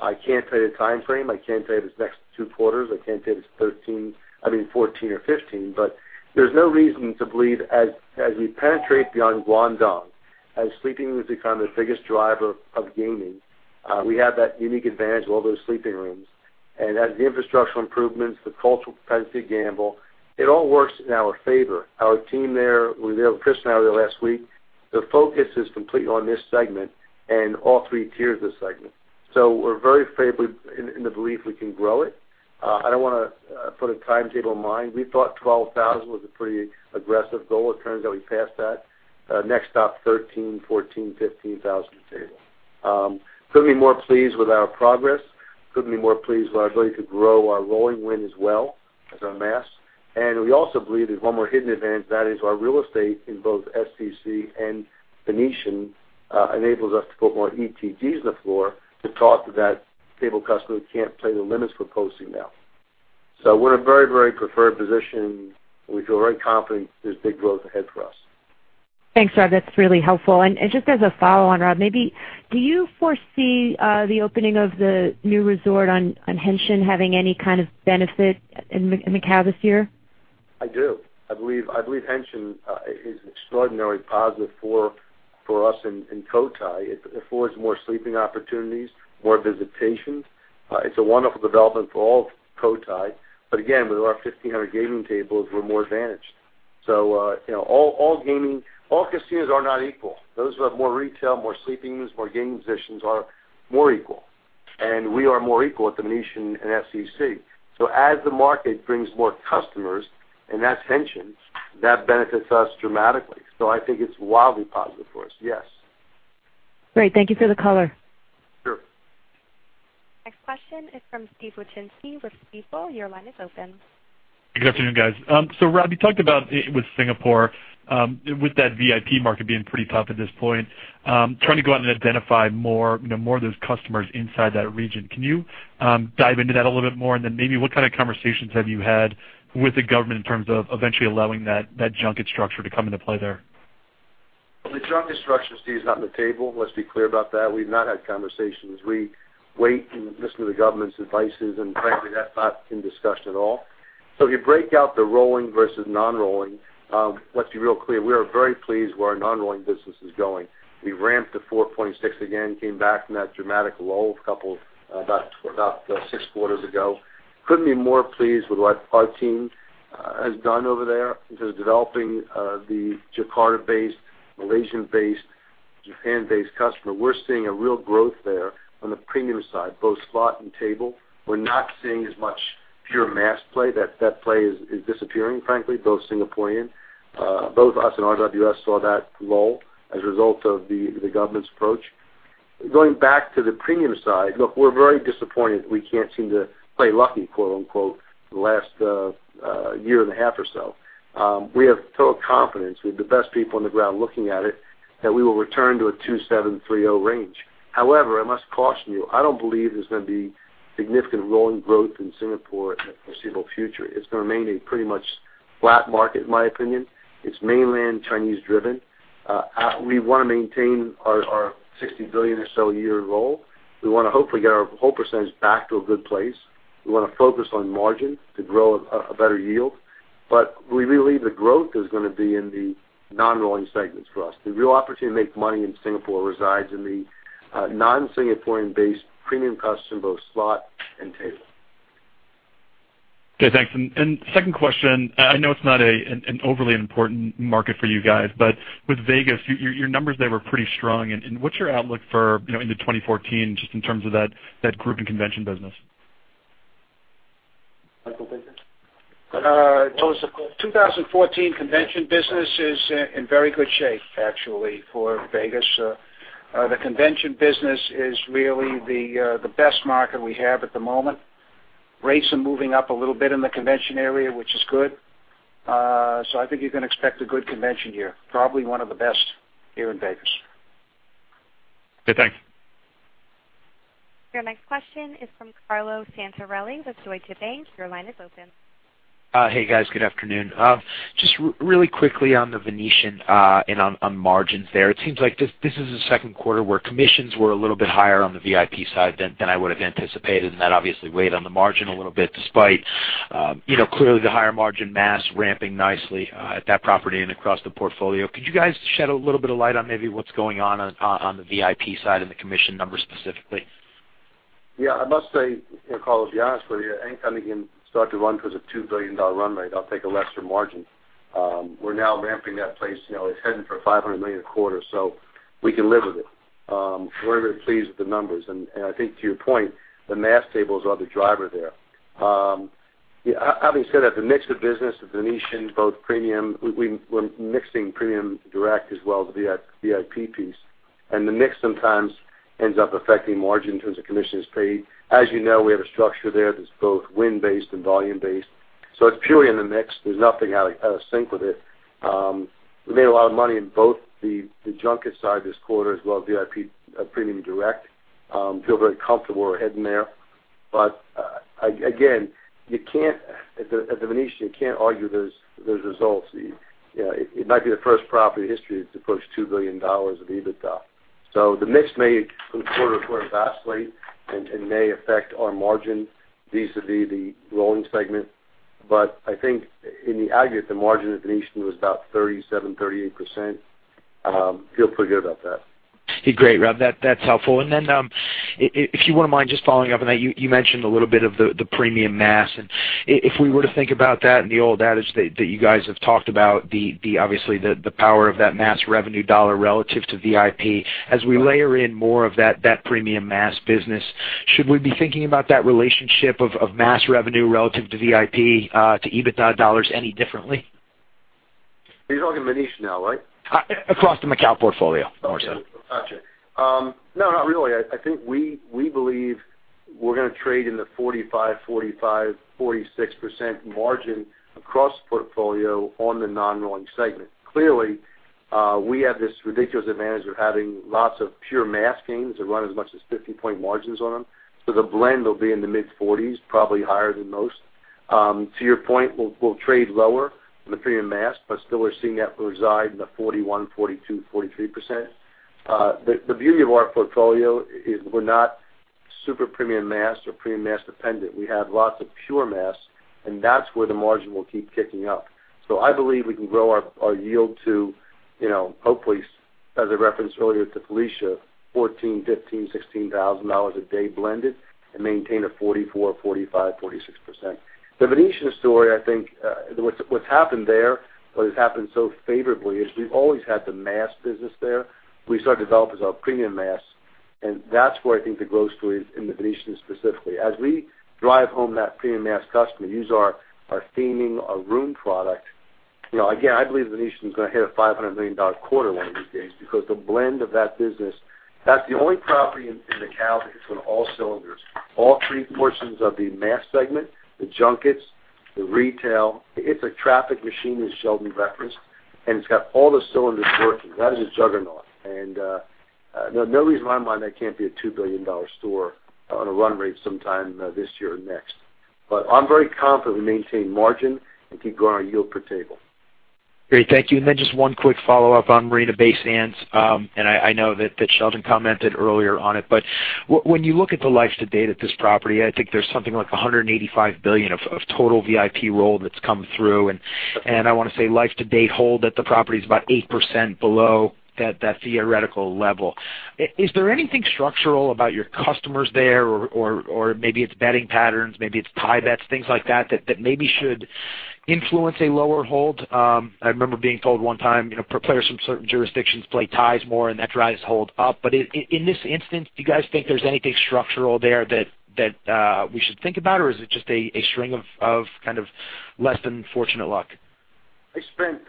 I can't tell you the timeframe. I can't tell you if it's the next two quarters. I can't tell you if it's 13, I mean, 14 or 15, but there's no reason to believe as we penetrate beyond Guangdong, as sleeping rooms become the biggest driver of gaming, we have that unique advantage of all those sleeping rooms. As the infrastructural improvements, the cultural propensity to gamble, it all works in our favor. Our team there, we know Chris and I were there last week, their focus is completely on this segment and all 3 tiers of segment. We're very favored in the belief we can grow it. I don't want to put a timetable in mind. We thought 12,000 was a pretty aggressive goal. It turns out we passed that. Next stop, 13,000, 14,000, 15,000 a table. Couldn't be more pleased with our progress. Couldn't be more pleased with our ability to grow our rolling win as well as our mass. We also believe there's one more hidden advantage, that is our real estate in both SCC and Venetian enables us to put more ETGs on the floor to talk to that table customer who can't play the limits we're posting now. We're in a very, very preferred position, and we feel very confident there's big growth ahead for us. Thanks, Rob. That's really helpful. Just as a follow-on, Rob, maybe do you foresee the opening of the new resort on Hengqin having any kind of benefit in Macao this year? I do. I believe Hengqin is extraordinary positive for us in Cotai. It affords more sleeping opportunities, more visitations. It's a wonderful development for all of Cotai. Again, with our 1,500 gaming tables, we're more advantaged. All casinos are not equal. Those who have more retail, more sleeping rooms, more gaming positions are more equal, and we are more equal at Venetian and SCC. As the market brings more customers, and that's Hengqin, that benefits us dramatically. I think it's wildly positive for us. Yes. Great. Thank you for the color. Sure. Next question is from Steven Wieczynski with Stifel. Your line is open. Good afternoon, guys. Rob, you talked about with Singapore, with that VIP market being pretty tough at this point, trying to go out and identify more of those customers inside that region. Can you dive into that a little bit more? Maybe what kind of conversations have you had with the government in terms of eventually allowing that junket structure to come into play there? The junket structure, Steve, is not on the table. Let's be clear about that. We've not had conversations. We wait and listen to the government's advices, frankly, that's not in discussion at all. If you break out the rolling versus non-rolling, let's be real clear, we are very pleased where our non-rolling business is going. We ramped to 4.6 again, came back from that dramatic lull couple about six quarters ago. Couldn't be more pleased with what our team has done over there in terms of developing the Jakarta-based, Malaysian-based, Japan-based customer. We're seeing a real growth there on the premium side, both slot and table. We're not seeing as much pure mass play. That play is disappearing, frankly, both Singaporean. Both us and RWS saw that lull as a result of the government's approach. Going back to the premium side, we're very disappointed we can't seem to play lucky, quote unquote, the last year and a half or so. We have total confidence with the best people on the ground looking at it, that we will return to a 2730 range. I must caution you, I don't believe there's going to be significant rolling growth in Singapore in the foreseeable future. It's going to remain a pretty much flat market, in my opinion. It's Mainland Chinese driven. We want to maintain our $60 billion or so a year roll. We want to hopefully get our whole % back to a good place. We want to focus on margin to grow a better yield. We believe the growth is going to be in the non-rolling segments for us. The real opportunity to make money in Singapore resides in the non-Singaporean based premium customers in both slot and table. Okay, thanks. Second question, I know it's not an overly important market for you guys, but with Vegas, your numbers there were pretty strong. What's your outlook into 2014, just in terms of that group and convention business? Michael, business? 2014 convention business is in very good shape, actually, for Vegas. The convention business is really the best market we have at the moment. Rates are moving up a little bit in the convention area, which is good. I think you can expect a good convention year, probably one of the best here in Vegas. Okay, thanks. Your next question is from Carlo Santarelli with Deutsche Bank. Your line is open. Hey, guys. Good afternoon. Just really quickly on The Venetian and on margins there. It seems like this is the second quarter where commissions were a little bit higher on the VIP side than I would've anticipated, and that obviously weighed on the margin a little bit, despite clearly the higher margin mass ramping nicely at that property and across the portfolio. Could you guys shed a little bit of light on maybe what's going on the VIP side and the commission numbers specifically? Yeah. I must say, Carlo, to be honest with you, any time you can start to run towards a $2 billion run rate, I'll take a lesser margin. We're now ramping that place. It's heading for $500 million a quarter, so we can live with it. We're very pleased with the numbers. I think to your point, the mass tables are the driver there. Having said that, the mix of business at The Venetian, both premium, we're mixing premium direct as well as the VIP piece. The mix sometimes ends up affecting margin in terms of commissions paid. As you know, we have a structure there that's both win based and volume based, it's purely in the mix. There's nothing out of sync with it. We made a lot of money in both the junket side this quarter as well as VIP premium direct. Feel very comfortable we're heading there. Again, at The Venetian, you can't argue those results. It might be the first property in history to push $2 billion of EBITDA. The mix may, from quarter to quarter, vastly, may affect our margin vis-à-vis the rolling segment. I think in the aggregate, the margin at The Venetian was about 37%-38%. Feel pretty good about that. Great, Rob. That's helpful. If you wouldn't mind just following up on that, you mentioned a little bit of the premium mass. If we were to think about that and the old adage that you guys have talked about, obviously, the power of that mass revenue dollar relative to VIP. As we layer in more of that premium mass business, should we be thinking about that relationship of mass revenue relative to VIP, to EBITDA dollars any differently? You're talking Venetian now, right? Across the Macau portfolio, more so. Got you. No, not really. I think we believe we're going to trade in the 45%, 46% margin across the portfolio on the non-rolling segment. Clearly, we have this ridiculous advantage of having lots of pure mass games that run as much as 50 point margins on them. The blend will be in the mid-40s, probably higher than most. To your point, we'll trade lower in the premium mass, but still we're seeing that reside in the 41%, 42%, 43%. The beauty of our portfolio is we're not super premium mass or premium mass dependent. We have lots of pure mass, and that's where the margin will keep kicking up. I believe we can grow our yield to hopefully, as I referenced earlier to Felicia, $14,000, $15,000, $16,000 a day blended and maintain a 44%, 45%, 46%. The Venetian story, I think, what's happened there, what has happened so favorably is we've always had the mass business there. We started to develop as our premium mass. That's where I think the growth story is in The Venetian specifically. As we drive home that premium mass customer, use our theming, our room product. Again, I believe The Venetian is going to hit a $500 million quarter one of these days because the blend of that business, that's the only property in Macau that hits on all cylinders, all three portions of the mass segment, the junkets, the retail. It's a traffic machine, as Sheldon referenced. It's got all the cylinders working. That is a juggernaut. There's no reason in my mind that can't be a $2 billion store on a run rate sometime this year or next. I'm very confident we maintain margin and keep growing our yield per table. Great, thank you. Just one quick follow-up on Marina Bay Sands. I know that Sheldon commented earlier on it, but when you look at the life to date at this property, I think there's something like $185 billion of total VIP roll that's come through. I want to say life to date hold at the property is about 8% below that theoretical level. Is there anything structural about your customers there? Maybe it's betting patterns, maybe it's tie bets, things like that maybe should influence a lower hold? I remember being told one time, players from certain jurisdictions play ties more and that drives hold up. In this instance, do you guys think there's anything structural there that we should think about, or is it just a string of kind of less than fortunate luck? I spent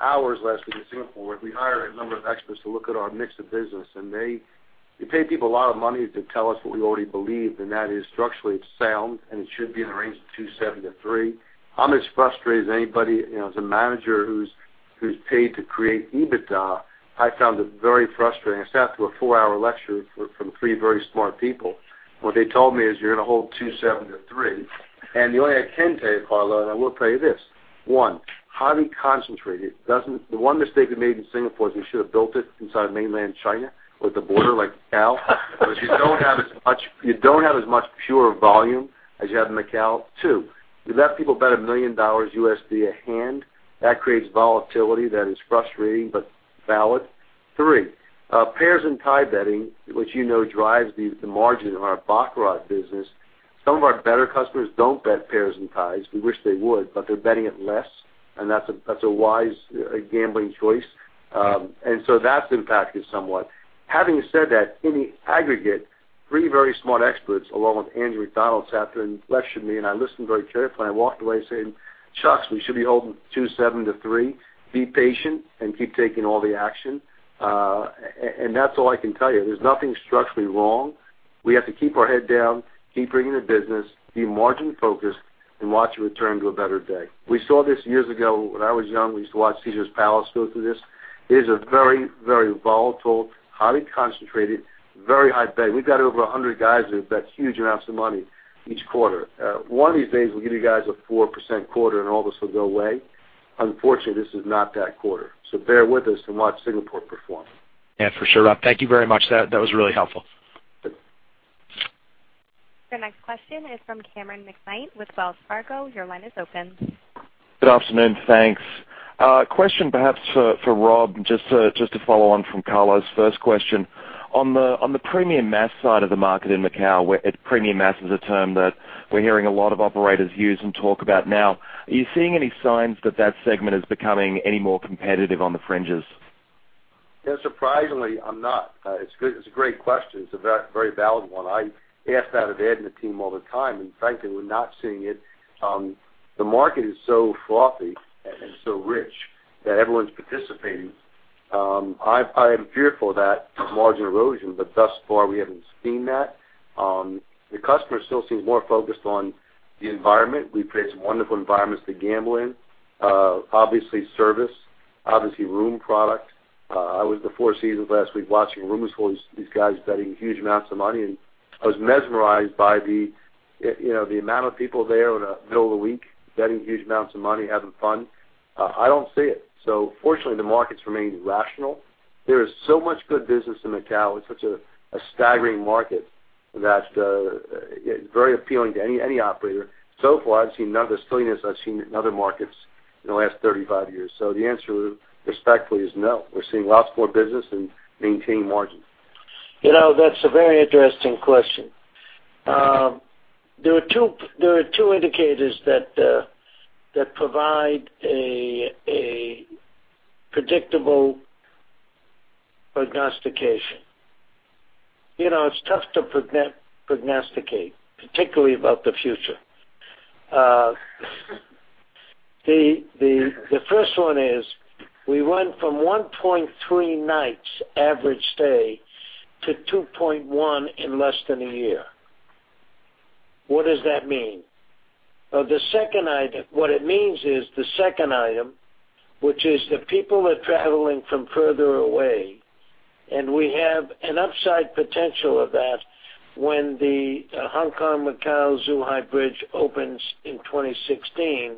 hours last week in Singapore. We hired a number of experts to look at our mix of business. We pay people a lot of money to tell us what we already believe, and that is structurally sound, and it should be in the range of 2.7%-3%. I'm as frustrated as anybody. As a manager who's paid to create EBITDA, I found it very frustrating. I sat through a four-hour lecture from three very smart people. What they told me is, "You're going to hold 2.7%-3%." The only thing I can tell you, Carlo, and I will tell you this. One, highly concentrated. The one mistake we made in Singapore is we should have built it inside mainland China with the border, like Macau. You don't have as much pure volume as you have in Macau. 2, we let people bet $1 million USD a hand. That creates volatility that is frustrating but valid. 3, pairs and tie betting, which you know drives the margin of our baccarat business. Some of our better customers don't bet pairs and ties. We wish they would, but they're betting it less, and that's a wise gambling choice. That's impacted somewhat. Having said that, in the aggregate, 3 very smart experts, along with Andrew MacDonald, sat there and lectured me, and I listened very carefully, and I walked away saying, "Shucks, we should be holding 2.7-3. Be patient and keep taking all the action." That's all I can tell you. There's nothing structurally wrong. We have to keep our head down, keep bringing the business, be margin-focused, and watch it return to a better day. We saw this years ago. When I was young, we used to watch Caesars Palace go through this. It is a very, very volatile, highly concentrated, very high bet. We've got over 100 guys that bet huge amounts of money each quarter. One of these days, we'll give you guys a 4% quarter, and all this will go away. Unfortunately, this is not that quarter. Bear with us and watch Singapore perform. Yeah, for sure, Rob. Thank you very much. That was really helpful. The next question is from Cameron McKnight with Wells Fargo. Your line is open. Good afternoon. Thanks. Question perhaps for Rob, just to follow on from Carlo's first question. On the premium mass side of the market in Macau, premium mass is a term that we're hearing a lot of operators use and talk about now. Are you seeing any signs that that segment is becoming any more competitive on the fringes? Yeah, surprisingly, I'm not. It's a great question. It's a very valid one. I ask that of Ed and the team all the time. Frankly, we're not seeing it. The market is so fluffy and so rich that everyone's participating. I am fearful that margin erosion, but thus far, we haven't seen that. The customer still seems more focused on the environment. We've created some wonderful environments to gamble in. Obviously, service, obviously, room product. I was at the Four Seasons last week watching rooms full of these guys betting huge amounts of money. I was mesmerized by the amount of people there in the middle of the week, betting huge amounts of money, having fun. I don't see it. Fortunately, the market's remaining rational. There is so much good business in Macau. It's such a staggering market that very appealing to any operator. Far, I've seen none of the silliness I've seen in other markets in the last 35 years. The answer, respectfully, is no. We're seeing lots more business and maintaining margin. That's a very interesting question. There are two indicators that provide a predictable prognostication. It's tough to prognosticate, particularly about the future. The first one is we went from 1.3 nights average stay to 2.1 in less than a year. What does that mean? What it means is the second item, which is that people are traveling from further away. We have an upside potential of that when the Hong Kong-Macau-Zhuhai bridge opens in 2016.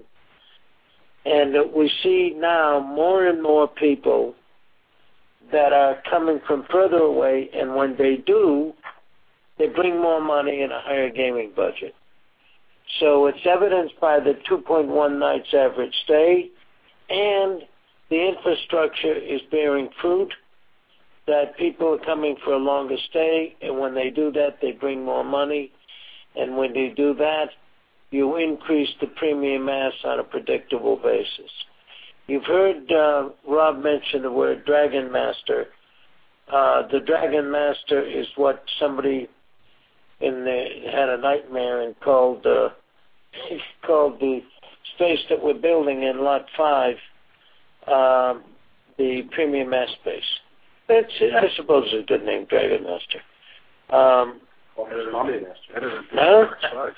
That we see now more and more people that are coming from further away. When they do, they bring more money and a higher gaming budget. It's evidenced by the 2.1 nights average stay. The infrastructure is bearing fruit, that people are coming for a longer stay. When they do that, they bring more money. When they do that, you increase the premium mass on a predictable basis. You've heard Rob mention the word Dragon Master. The Dragon Master is what somebody had a nightmare and called the space that we're building in Lot Five, the premium mass space. I suppose it's a good name, Dragon Master. Call it a Stommy Master. Huh?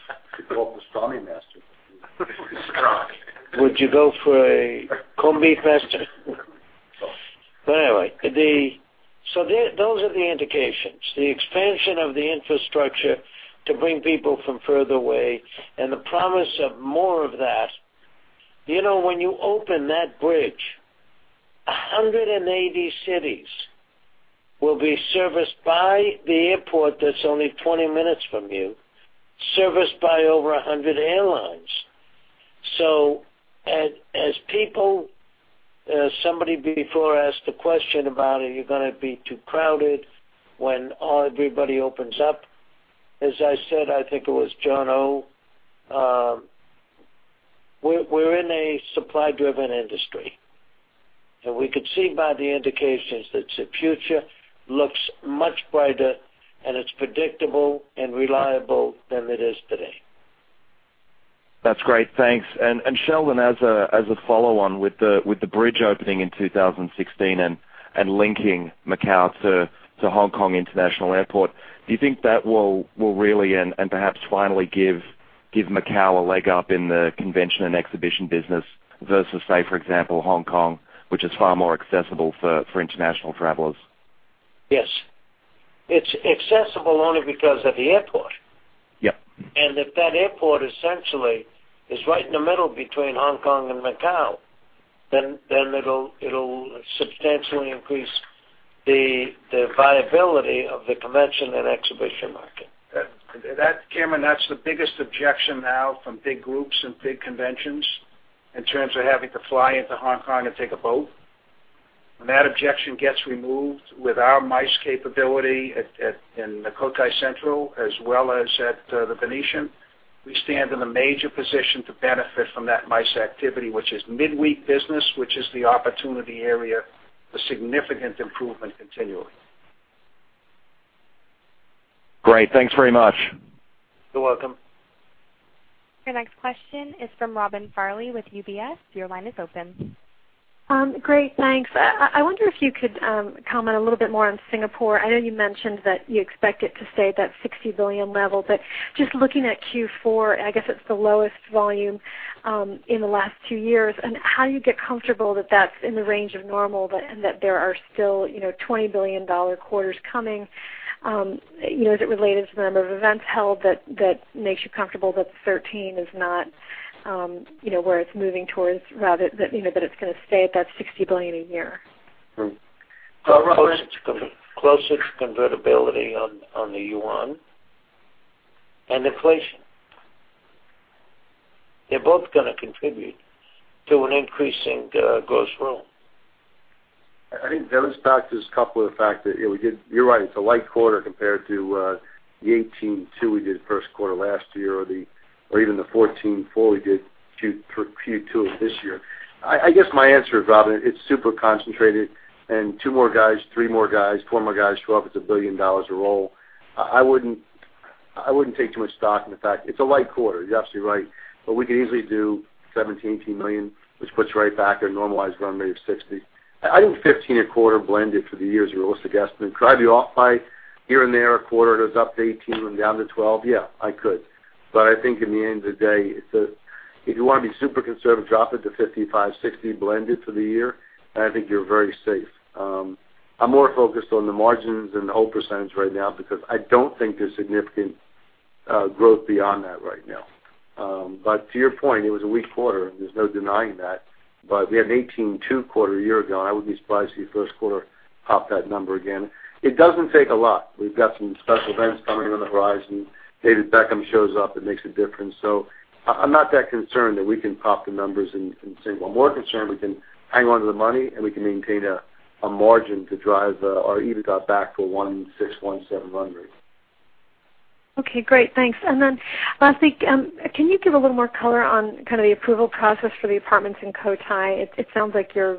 Call it the Stommy Master. Would you go for a combi master? Anyway, those are the indications, the expansion of the infrastructure to bring people from further away and the promise of more of that. When you open that bridge, 180 cities will be serviced by the airport that's only 20 minutes from you, serviced by over 100 airlines. Somebody before asked a question about, are you going to be too crowded when everybody opens up? As I said, I think it was Jon Oh., we're in a supply-driven industry. We could see by the indications that the future looks much brighter, and it's predictable and reliable than it is today. That's great. Thanks. Sheldon, as a follow-on with the bridge opening in 2016 and linking Macau to Hong Kong International Airport, do you think that will really, and perhaps finally, give Macau a leg up in the convention and exhibition business versus, say, for example, Hong Kong, which is far more accessible for international travelers? Yes. It's accessible only because of the airport. Yep. If that airport essentially is right in the middle between Hong Kong and Macau, then it'll substantially increase the viability of the convention and exhibition market. That, Cameron, that's the biggest objection now from big groups and big conventions in terms of having to fly into Hong Kong and take a boat. When that objection gets removed with our MICE capability in the Cotai Central as well as at The Venetian, we stand in a major position to benefit from that MICE activity, which is midweek business, which is the opportunity area for significant improvement continually. Great. Thanks very much. You're welcome. Your next question is from Robin Farley with UBS. Your line is open. Great. Thanks. I wonder if you could comment a little bit more on Singapore. I know you mentioned that you expect it to stay at that $60 billion level, but just looking at Q4, and I guess it's the lowest volume in the last two years, and how you get comfortable that that's in the range of normal and that there are still $20 billion quarters coming. Is it related to the number of events held that makes you comfortable that 13 is not where it's moving towards, rather that it's going to stay at that $60 billion a year? Closer to convertibility on the yuan and inflation. They're both going to contribute to an increase in gross room. I think that was coupled with the fact that. You're right, it's a light quarter compared to the $18.2 million we did first quarter last year or even the $14.4 million we did Q2 of this year. I guess my answer, Robin, it's super concentrated, and two more guys, three more guys, four more guys show up, it's a $1 billion a roll. I wouldn't take too much stock in the fact. It's a light quarter, you're absolutely right. We could easily do $17 million-$18 million, which puts right back a normalized run rate of $60 million. I think $15 million a quarter blended for the year is a realistic estimate. Could I be off by here and there a quarter that's up to $18 million and down to $12 million? Yeah, I could. I think in the end of the day, if you want to be super conservative, drop it to [$55 billion-$60 billion] blended for the year, and I think you're very safe. I'm more focused on the margins and the whole percentage right now because I don't think there's significant growth beyond that right now. To your point, it was a weak quarter, and there's no denying that. We had an [$18.2 billion] quarter a year ago, and I wouldn't be surprised to see the first quarter pop that number again. It doesn't take a lot. We've got some special events coming on the horizon. David Beckham shows up, it makes a difference. I'm not that concerned that we can pop the numbers in Singapore. I'm more concerned we can hang on to the money, and we can maintain a margin to drive our EBITDA back to a $1.6 billion-$1.7 billion run rate. Okay, great. Thanks. Then lastly, can you give a little more color on the approval process for the apartments in Cotai? It sounds like you're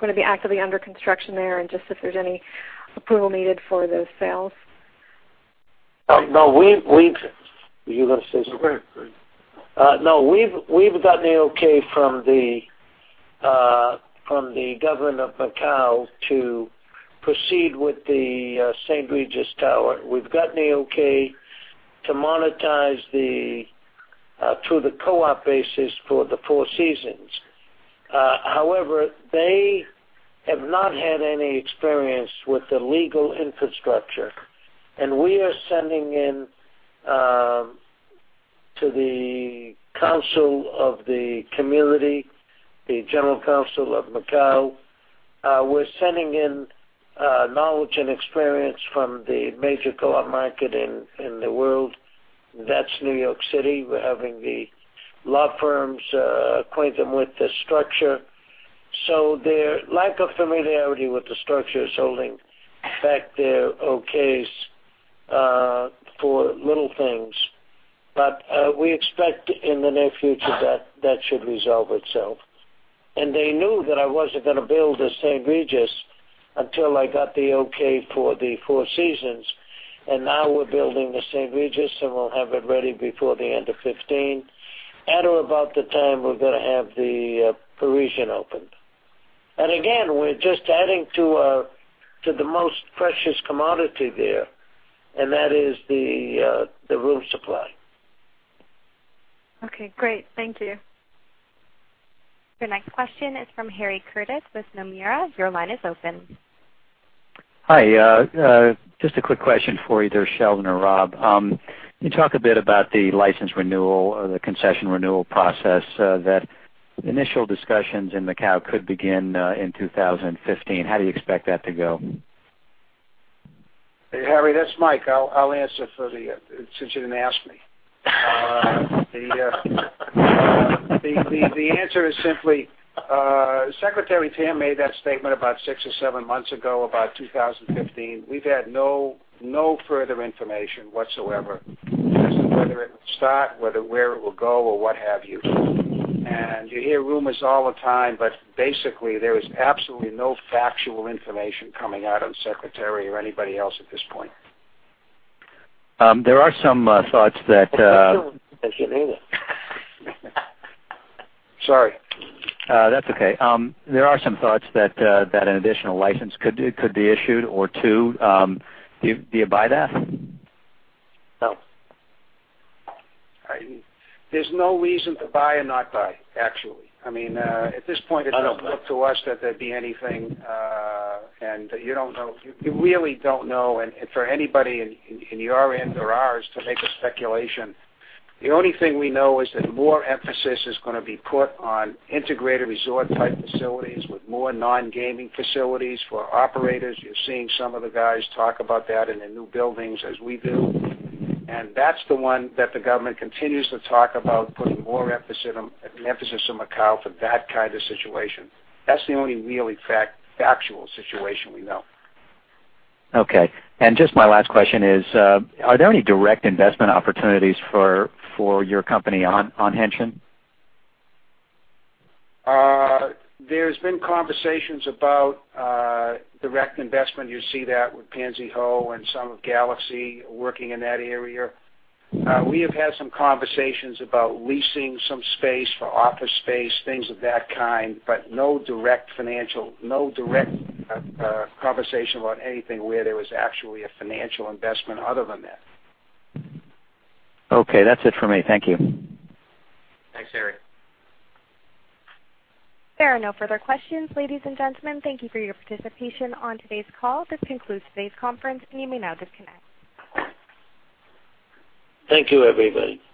going to be actively under construction there and just if there's any approval needed for those sales. Were you going to say something? No, go ahead. No. We've gotten the okay from the Government of Macau to proceed with the St. Regis tower. We've gotten the okay to monetize through the co-op basis for the Four Seasons. However, they have not had any experience with the legal infrastructure, and we are sending in to the council of the community, the General Council of Macau, we're sending in knowledge and experience from the major co-op market in the world. That's New York City. We're having the law firms acquaint them with the structure. Their lack of familiarity with the structure is holding back their okays for little things. We expect in the near future that that should resolve itself. They knew that I wasn't going to build the St. Regis until I got the okay for the Four Seasons, and now we're building the St. Regis, and we'll have it ready before the end of 2015, at or about the time we're going to have the Parisian opened. Again, we're just adding to the most precious commodity there, and that is the room supply. Okay, great. Thank you. Your next question is from Harry Curtis with Nomura. Your line is open. Hi. Just a quick question for either Sheldon or Rob. Can you talk a bit about the license renewal or the concession renewal process, that initial discussions in Macau could begin in 2015. How do you expect that to go? Harry, that's Mike. I'll answer for the-- since you didn't ask me. The answer is simply, Secretary Tam made that statement about six or seven months ago about 2015. We've had no further information whatsoever as to whether it will start, where it will go, or what have you. You hear rumors all the time, but basically, there is absolutely no factual information coming out of the secretary or anybody else at this point. There are some thoughts that- Sorry. That's okay. There are some thoughts that an additional license could be issued or two. Do you buy that? No. There's no reason to buy or not buy, actually. At this point- I don't buy It doesn't look to us that there'd be anything. You really don't know, for anybody in your end or ours to make a speculation, the only thing we know is that more emphasis is going to be put on integrated resort-type facilities with more non-gaming facilities for operators. You're seeing some of the guys talk about that in the new buildings as we do, that's the one that the government continues to talk about putting more emphasis on Macau for that kind of situation. That's the only really factual situation we know. Okay. Just my last question is, are there any direct investment opportunities for your company on Hengqin? There's been conversations about direct investment. You see that with Pansy Ho and some of Galaxy working in that area. We have had some conversations about leasing some space for office space, things of that kind, no direct conversation about anything where there was actually a financial investment other than that. Okay, that's it for me. Thank you. Thanks, Harry. There are no further questions. Ladies and gentlemen, thank you for your participation on today's call. This concludes today's conference. You may now disconnect. Thank you, everybody.